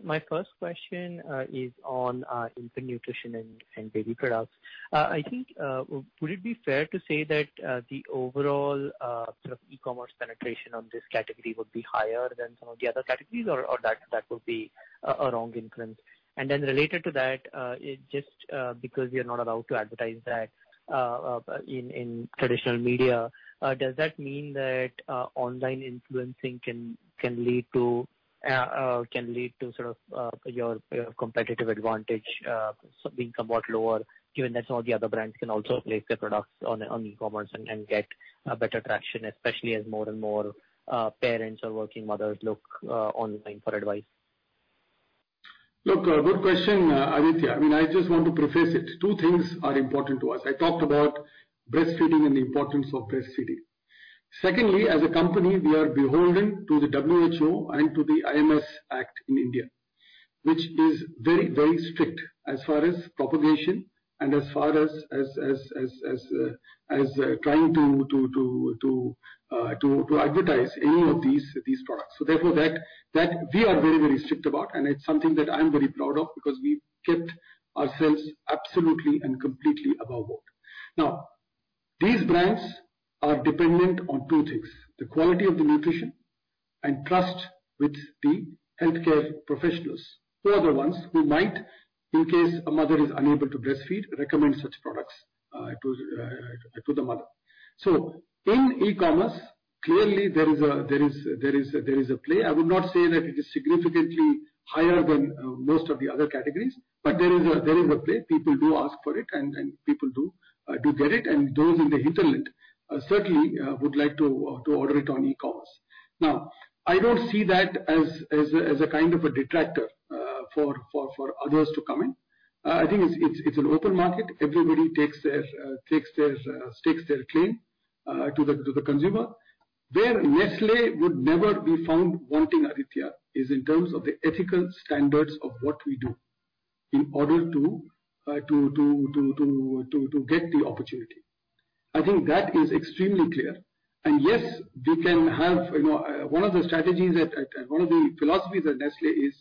My first question is on infant nutrition and baby products. I think, would it be fair to say that the overall sort of e-commerce penetration on this category would be higher than some of the other categories, or that would be a wrong inference? Related to that, just because you're not allowed to advertise that in traditional media, does that mean that online influencing can lead to sort of your competitive advantage so being somewhat lower, given that all the other brands can also place their products on e-commerce and get a better traction, especially as more and more parents or working mothers look online for advice? Look, good question, Aditya. I mean, I just want to preface it. Two things are important to us. I talked about breastfeeding and the importance of breastfeeding. Secondly, as a company, we are beholden to the WHO and to the IMS Act in India, which is very, very strict as far as propagation and as far as trying to advertise any of these products. Therefore, that we are very, very strict about, and it's something that I'm very proud of, because we've kept ourselves absolutely and completely above board. These brands are dependent on two things: the quality of the nutrition and trust with the healthcare professionals, who are the ones who might, in case a mother is unable to breastfeed, recommend such products to the mother. In e-commerce, clearly, there is a play. I would not say that it is significantly higher than most of the other categories, but there is a play. People do ask for it, and people do get it, and those in the hinterland, certainly would like to order it on e-commerce. I don't see that as a kind of a detractor for others to come in. I think it's an open market. Everybody takes their stakes their claim to the consumer. Where Nestlé would never be found wanting, Aditya, is in terms of the ethical standards of what we do in order to get the opportunity. I think that is extremely clear. You know, one of the strategies that I, one of the philosophies at Nestlé is: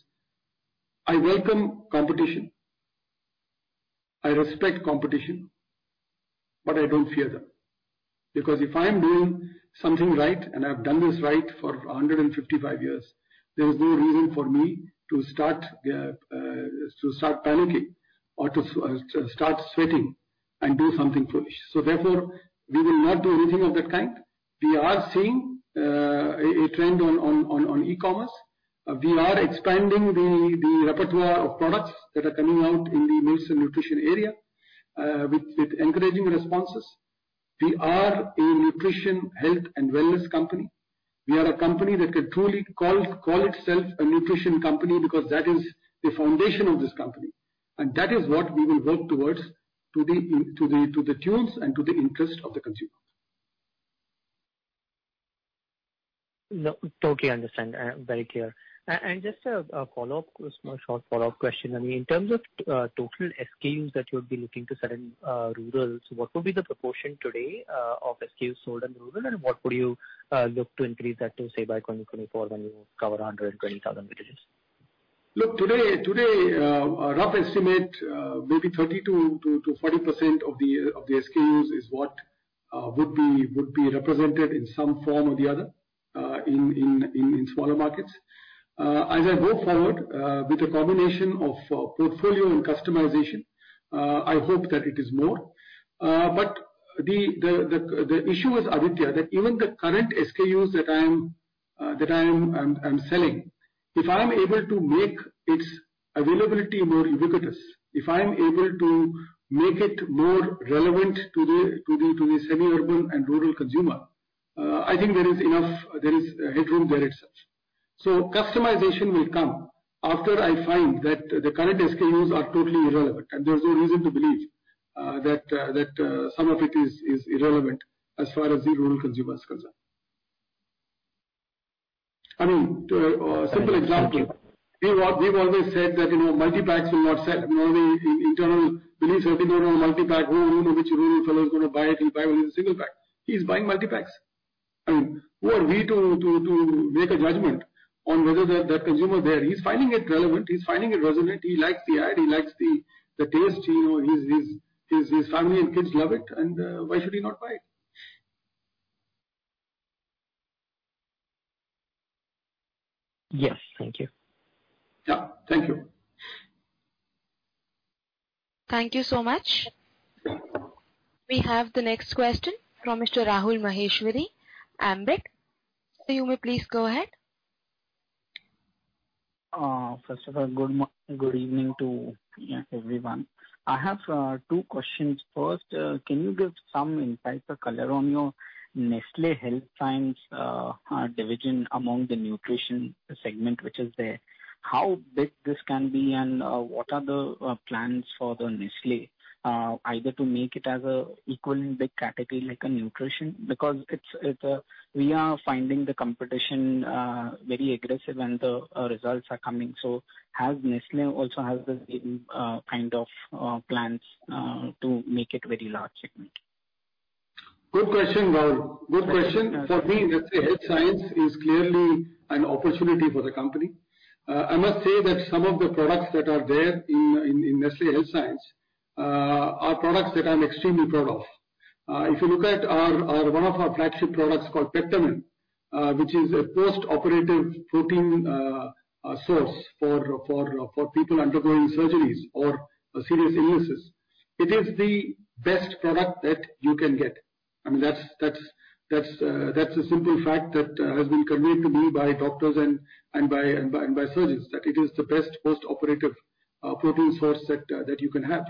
I welcome competition, I respect competition, but I don't fear them. Because if I'm doing something right, and I've done this right for 155 years, there is no reason for me to start, to start panicking or to start sweating and do something foolish. We will not do anything of that kind. We are seeing, a trend on e-commerce. We are expanding the repertoire of products that are coming out in the meals and nutrition area, with encouraging responses. We are a nutrition, health, and wellness company. We are a company that can truly call itself a nutrition company, because that is the foundation of this company, and that is what we will work towards, to the tunes and to the interest of the consumer. No, totally understand, very clear. Just a short follow-up question. I mean, in terms of total SKUs that you would be looking to sell in rurals, what would be the proportion today of SKUs sold in rural, and what would you look to increase that to, say, by 2024 when you cover 120,000 villages? Look, today, a rough estimate, maybe 30% to 40% of the SKUs is what would be represented in some form or the other, in smaller markets. As I go forward, with a combination of portfolio and customization, I hope that it is more. The issue is, Aditya, that even the current SKUs that I am selling, if I am able to make its availability more ubiquitous, if I am able to make it more relevant to the semi-urban and rural consumer, I think there is enough headroom there itself. Customization will come after I find that the current SKUs are totally irrelevant, and there's no reason to believe that some of it is irrelevant as far as the rural consumer is concerned. I mean, a simple example: We've always said that, you know, multipacks will not sell. You know, the internal belief was, you know, multipack, who know which rural fellow is gonna buy it? He'll buy only the single pack. He's buying multipacks. I mean, who are we to make a judgment on whether the consumer there. He's finding it relevant, he's finding it resonant, he likes the ad, he likes the taste, you know, his family and kids love it, and why should he not buy it? Yes. Thank you. Yeah. Thank you. Thank you so much. We have the next question from Mr. Rahul Maheshwary, Ambit. You may please go ahead. First of all, good evening to everyone. I have two questions. First, can you give some insights or color on your Nestlé Health Science division among the nutrition segment, which is there? How big this can be, and what are the plans for the Nestlé either to make it as a equally big category like a nutrition? Because it's, we are finding the competition very aggressive and the results are coming. Has Nestlé also has the same kind of plans to make it very large segment? Good question, Rahul. Good question. For me, Nestlé Health Science is clearly an opportunity for the company. I must say that some of the products that are there in Nestlé Health Science are products that I'm extremely proud of. If you look at our one of our flagship products called Peptamen, which is a post-operative protein source for people undergoing surgeries or serious illnesses, it is the best product that you can get. I mean, that's the simple fact that has been conveyed to me by doctors and by surgeons, that it is the best post-operative protein source that you can have.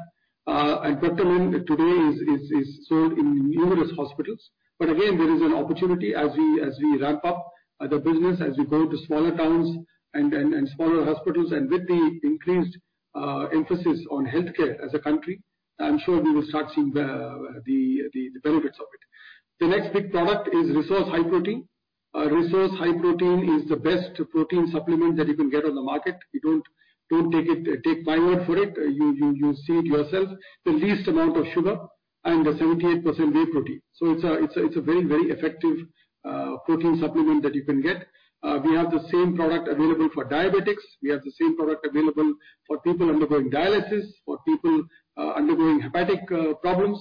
And Peptamen today is sold in numerous hospitals. Again, there is an opportunity as we ramp up the business, as we go to smaller towns and smaller hospitals, and with the increased emphasis on healthcare as a country, I'm sure we will start seeing the benefits of it. The next big product is Resource High Protein. Resource High Protein is the best protein supplement that you can get on the market. You don't take it, take my word for it. You see it yourself, the least amount of sugar and a 78% whey protein. It's a very, very effective protein supplement that you can get. We have the same product available for diabetics. We have the same product available for people undergoing dialysis, for people undergoing hepatic problems.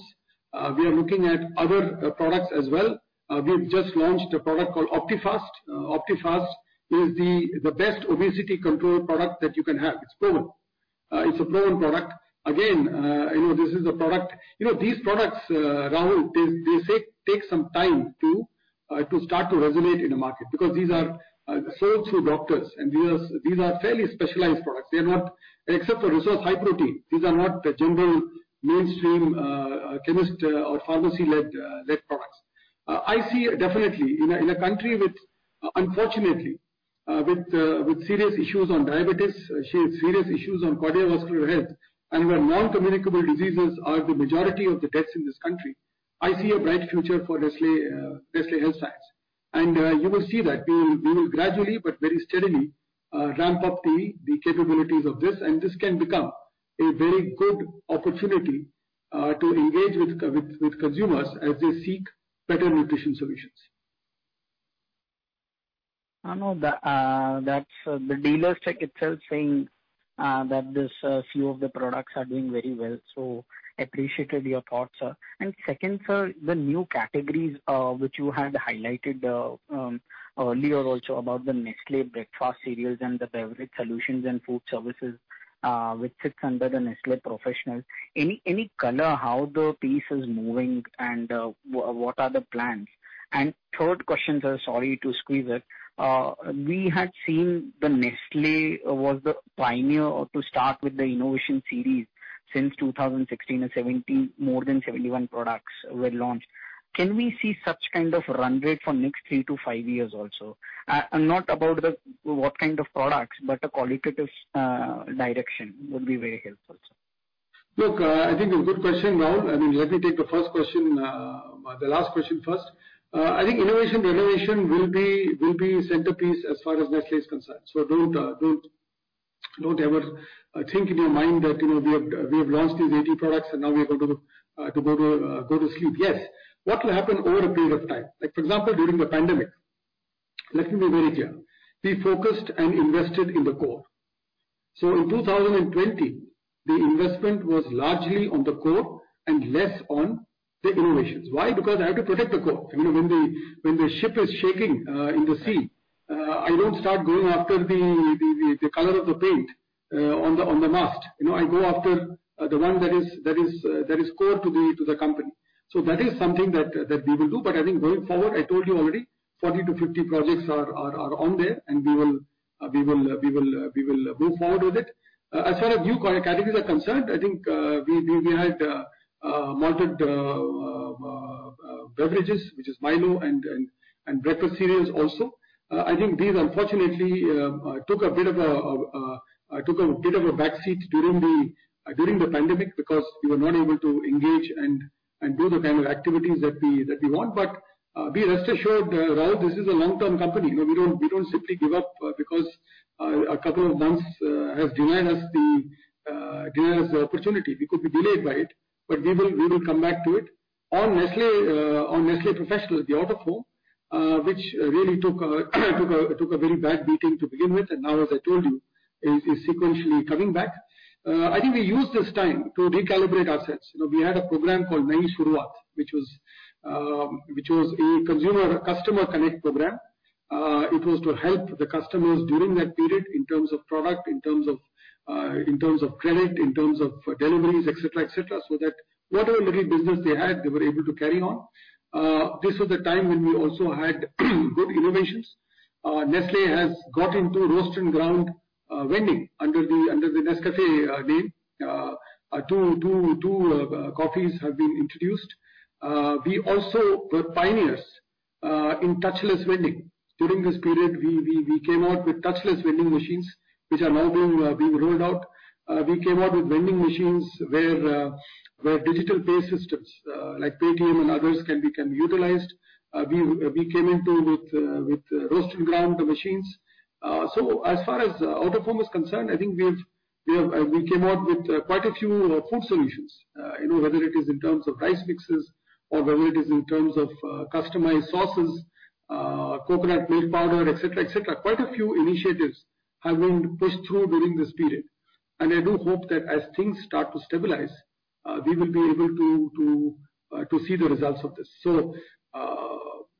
at other, uh, products as well. We've just launched a product called Optifast. Optifast is the best obesity control product that you can have. It's proven. It's a proven product. Again, you know, this is a product. You know, these products, Rahul, they take some time to start to resonate in the market, because these are sold through doctors, and these are fairly specialized products. They are not, except for Resource High Protein, these are not the general mainstream chemist or pharmacy-led products I see definitely in a, in a country with, unfortunately, with serious issues on diabetes, serious issues on cardiovascular health, and where non-communicable diseases are the majority of the deaths in this country, I see a bright future for Nestlé Health Science. You will see that. We will gradually but very steadily ramp up the capabilities of this, and this can become a very good opportunity to engage with consumers as they seek better nutrition solutions. I know the that's the dealer check itself saying that this few of the products are doing very well, so appreciated your thoughts, sir. Second, sir, the new categories which you had highlighted earlier also about the Nestlé Breakfast Cereals and the Beverage Solutions and Food Services, which sits under the Nestlé Professional, any color how the piece is moving and what are the plans? Third question, sir, sorry to squeeze it. We had seen the Nestlé was the pioneer to start with the innovation series since 2016 and 2017, more than 71 products were launched. Can we see such kind of run rate for next 3 to 5 years also? Not about the, what kind of products, but a qualitative direction would be very helpful, sir. Look, I think a good question, Rahul. I mean, let me take the first question, the last question first. I think innovation, renovation will be a centerpiece as far as Nestlé is concerned. Don't ever think in your mind that, you know, we have launched these 80 products and now we are going to go to sleep. Yes, what will happen over a period of time? Like, for example, during the pandemic, let me be very clear. We focused and invested in the core. In 2020, the investment was largely on the core and less on the innovations. Why? Because I have to protect the core. You know, when the ship is shaking in the sea, I don't start going after the color of the paint on the mast. You know, I go after the one that is core to the company. That is something that we will do. I think going forward, I told you already, 40 to 50 projects are on there, and we will move forward with it. As far as new categories are concerned, I think we had malted beverages, which is Milo and Breakfast Cereals also. I think these unfortunately took a bit of a backseat during the pandemic because we were not able to engage and do the kind of activities that we want. But be rest assured, Rahul, this is a long-term company. You know, we don't simply give up because a couple of months has denied us the opportunity. We could be delayed by it, but we will come back to it. On Nestlé Professional, the out-of-home, which really took a very bad beating to begin with, and now, as I told you, is sequentially coming back. I think we used this time to recalibrate ourselves. You know, we had a program called Nai Shuruat, which was, which was a consumer customer connect program. It was to help the customers during that period in terms of product, in terms of, in terms of credit, in terms of deliveries, et cetera, et cetera, so that whatever little business they had, they were able to carry on. This was the time when we also had good innovations. Nestlé has got into roast and ground vending under the Nescafé name. Two coffees have been introduced. We also were pioneers in touchless vending. During this period, we came out with touchless vending machines, which are now being rolled out. We came out with vending machines where digital pay systems, like Paytm and others, can be utilized. We came into with roast and ground machines. As far as out-of-home is concerned, I think we have we came out with quite a few food solutions. You know whether it is in terms of rice mixes or whether it is in terms of customized sauces, coconut milk powder, et cetera, et cetera. Quite a few initiatives have been pushed through during this period, and I do hope that as things start to stabilize, we will be able to to see the results of this.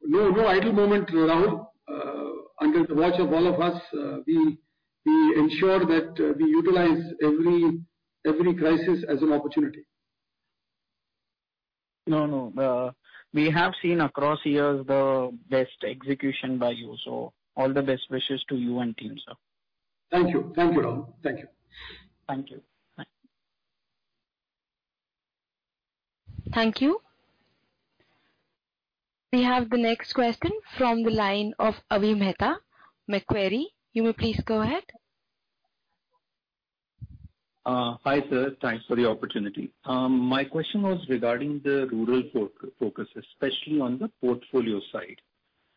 No idle moment, Rahul, under the watch of all of us, we ensure that, we utilize every crisis as an opportunity. No, no. We have seen across years the best execution by you. All the best wishes to you and team, sir. Thank you. Thank you, Rahul. Thank you. Thank you. Bye. Thank you. We have the next question from the line of Avi Mehta, Macquarie. You may please go ahead. Hi, sir. Thanks for the opportunity. My question was regarding the rural focus, especially on the portfolio side.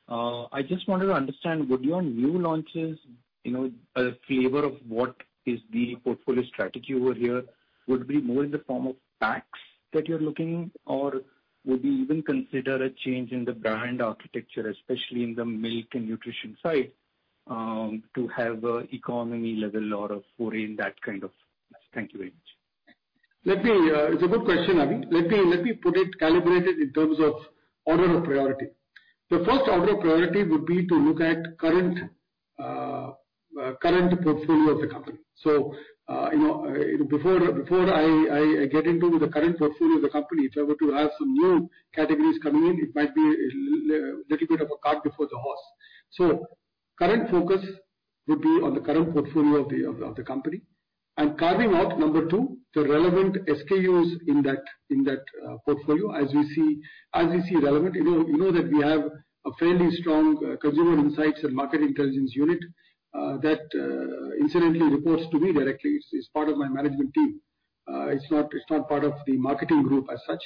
I just wanted to understand, would your new launches, you know, a flavor of what is the portfolio strategy over here, would be more in the form of packs that you're looking, or would we even consider a change in the brand architecture, especially in the milk and nutrition side, to have economy level or a foreign, that kind of. Thank you very much. Let me. It's a good question, Avi. Let me put it, calibrate it in terms of order of priority. The first order of priority would be to look at current portfolio of the company. You know, before I get into the current portfolio of the company, if I were to have some new categories coming in, it might be a little bit of a cart before the horse. Current focus would be on the current portfolio of the company, and carving out, number 2, the relevant SKUs in that portfolio, as we see relevant. You know that we have a fairly strong consumer insights and market intelligence unit that incidentally reports to me directly. It's part of my management team. It's not, it's not part of the marketing group as such.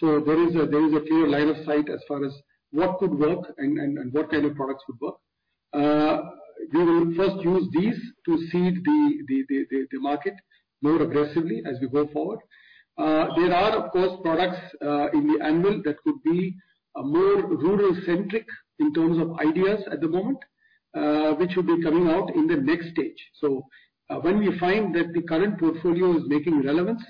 There is a, there is a clear line of sight as far as what could work and, and what kind of products would work. We will first use these to seed the, the, the market more aggressively as we go forward. There are, of course, products in the annual that could be more rural-centric in terms of ideas at the moment, which will be coming out in the next stage. When we find that the current portfolio is making relevance,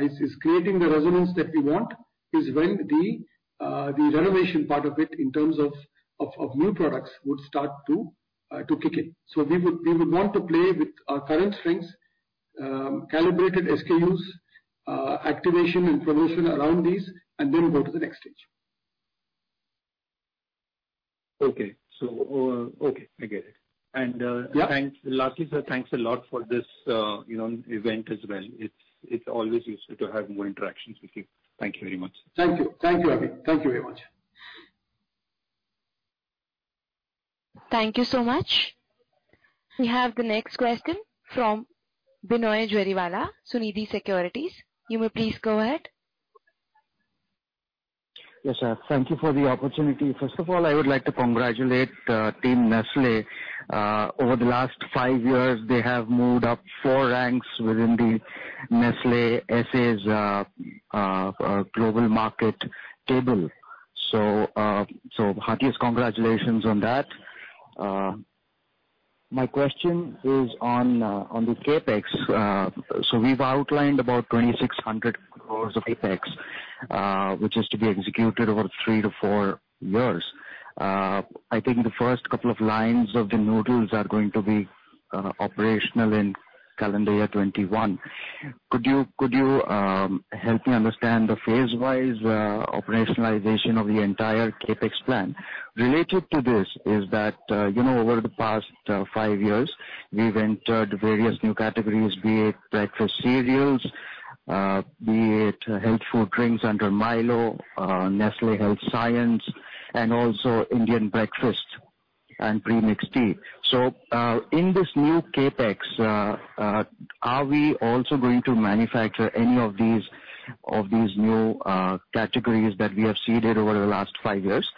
is creating the resonance that we want, is when the renovation part of it, in terms of, of new products, would start to kick in. We would want to play with our current strengths, calibrated SKUs, activation and promotion around these, and then go to the next stage. Okay. Okay, I get it. Yeah. Thanks alot, sir, thanks a lot for this, you know, event as well. It's always useful to have more interactions with you. Thank you very much. Thank you. Thank you, Avi. Thank you very much. Thank you so much. We have the next question from Binoy Jariwala, Sunidhi Securities. You may please go ahead. Yes, sir. Thank you for the opportunity. First of all, I would like to congratulate team Nestlé. Over the last 5 years, they have moved up 4 ranks within the Nestlé S.A.'s global market table. Heartiest congratulations on that. My question is on the CapEx. We've outlined about 2,600 crores of CapEx, which is to be executed over 3 to 4 years. I think the first couple of lines of the noodles are going to be operational in calendar year 2021. Could you help me understand the phase-wise operationalization of the entire CapEx plan? Related to this is that, you know, over the past 5 years, we've entered various new categories, be it breakfast cereals, be it health food drinks under Milo, Nestlé Health Science, and also Indian breakfast and pre-mixed tea. In this new CapEx, are we also going to manufacture any of these new categories that we have seeded over the last 5 years?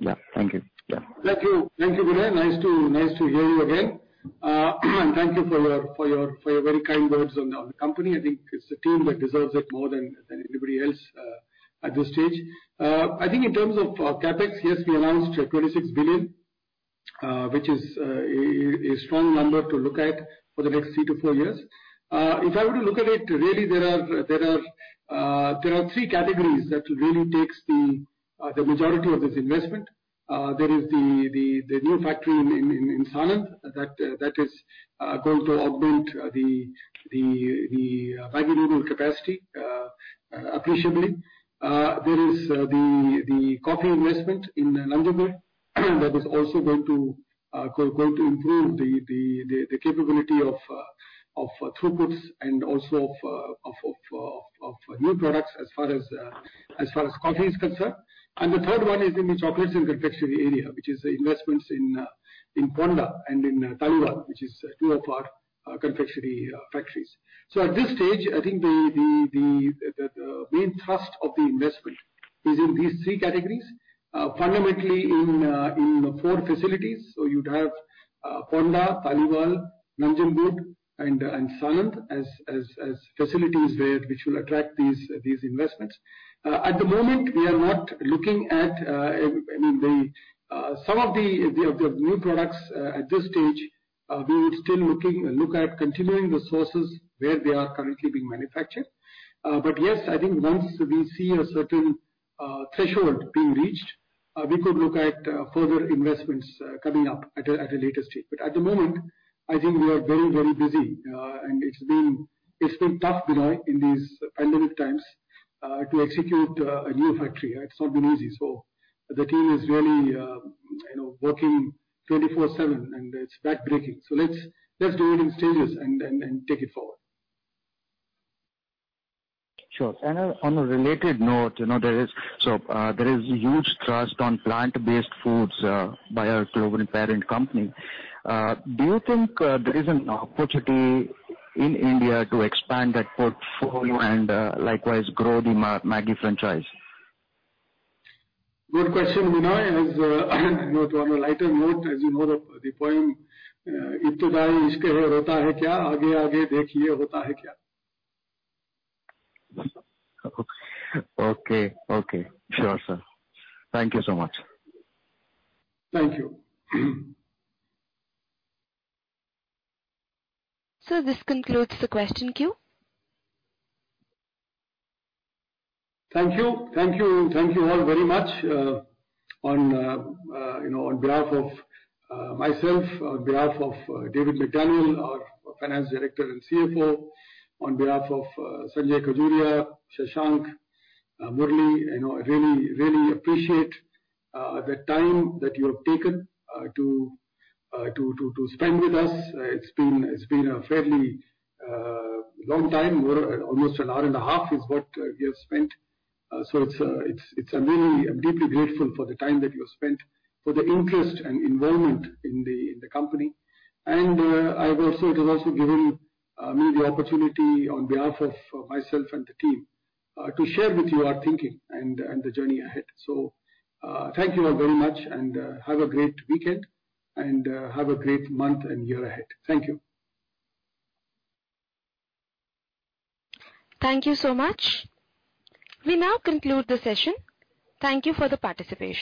Yeah, thank you. Yeah. Thank you. Thank you, Binoy. Nice to hear you again. Thank you for your very kind words on the company. I think it's a team that deserves it more than anybody else at this stage. I think in terms of CapEx, yes, we announced 26 billion, which is a strong number to look at for the next three to four years. If I were to look at it, really there are three categories that really takes the majority of this investment. There is the new factory in Sanand that is going to augment the Maggi Noodle capacity appreciably. There is the coffee investment in Nanjangud, that is also going to improve the capability of throughputs and also of new products as far as coffee is concerned. The third one is in the chocolates and confectionery area, which is the investments in Ponda and in Bicholim, which is two of our confectionery factories. At this stage, I think the main thrust of the investment is in these three categories, fundamentally in four facilities. You'd have Ponda, Bicholim, Nanjangud, and Sanand as facilities there, which will attract these investments. e are not looking at some of the new products at this stage. We would still look at continuing the sources where they are currently being manufactured. But yes, I think once we see a certain threshold being reached, we could look at further investments coming up at a later stage. But at the moment, I think we are very, very busy, and it's been tough, Binoy, in these pandemic times to execute a new factory. It's not been easy. The team is really working 24/7, and it's backbreaking. Let's do it in stages and take it forward. Sure. On a related note, you know, there is a huge thrust on plant-based foods by our global parent company. Do you think there is an opportunity in India to expand that portfolio and likewise grow the Maggi franchise? Good question, Binoy. As, on a lighter note, as you know, the point, "... Okay. Okay. Sure, sir. Thank you so much. Thank you. This concludes the question queue. Thank you. Thank you. Thank you all very much, you know, on behalf of myself, on behalf of David McDaniel, our Finance Director and CFO, on behalf of Sanjay Khajuria, Shashank, Murali, you know, I really, really appreciate the time that you have taken to spend with us. It's been, it's been a fairly long time, almost an hour and a half is what we have spent. So it's a really. I'm deeply grateful for the time that you have spent, for the interest and involvement in the, in the company. I've also, it has also given me the opportunity on behalf of myself and the team to share with you our thinking and the journey ahead. Thank you all very much, and have a great weekend, and have a great month and year ahead. Thank you. Thank you so much. We now conclude the session. Thank you for the participation.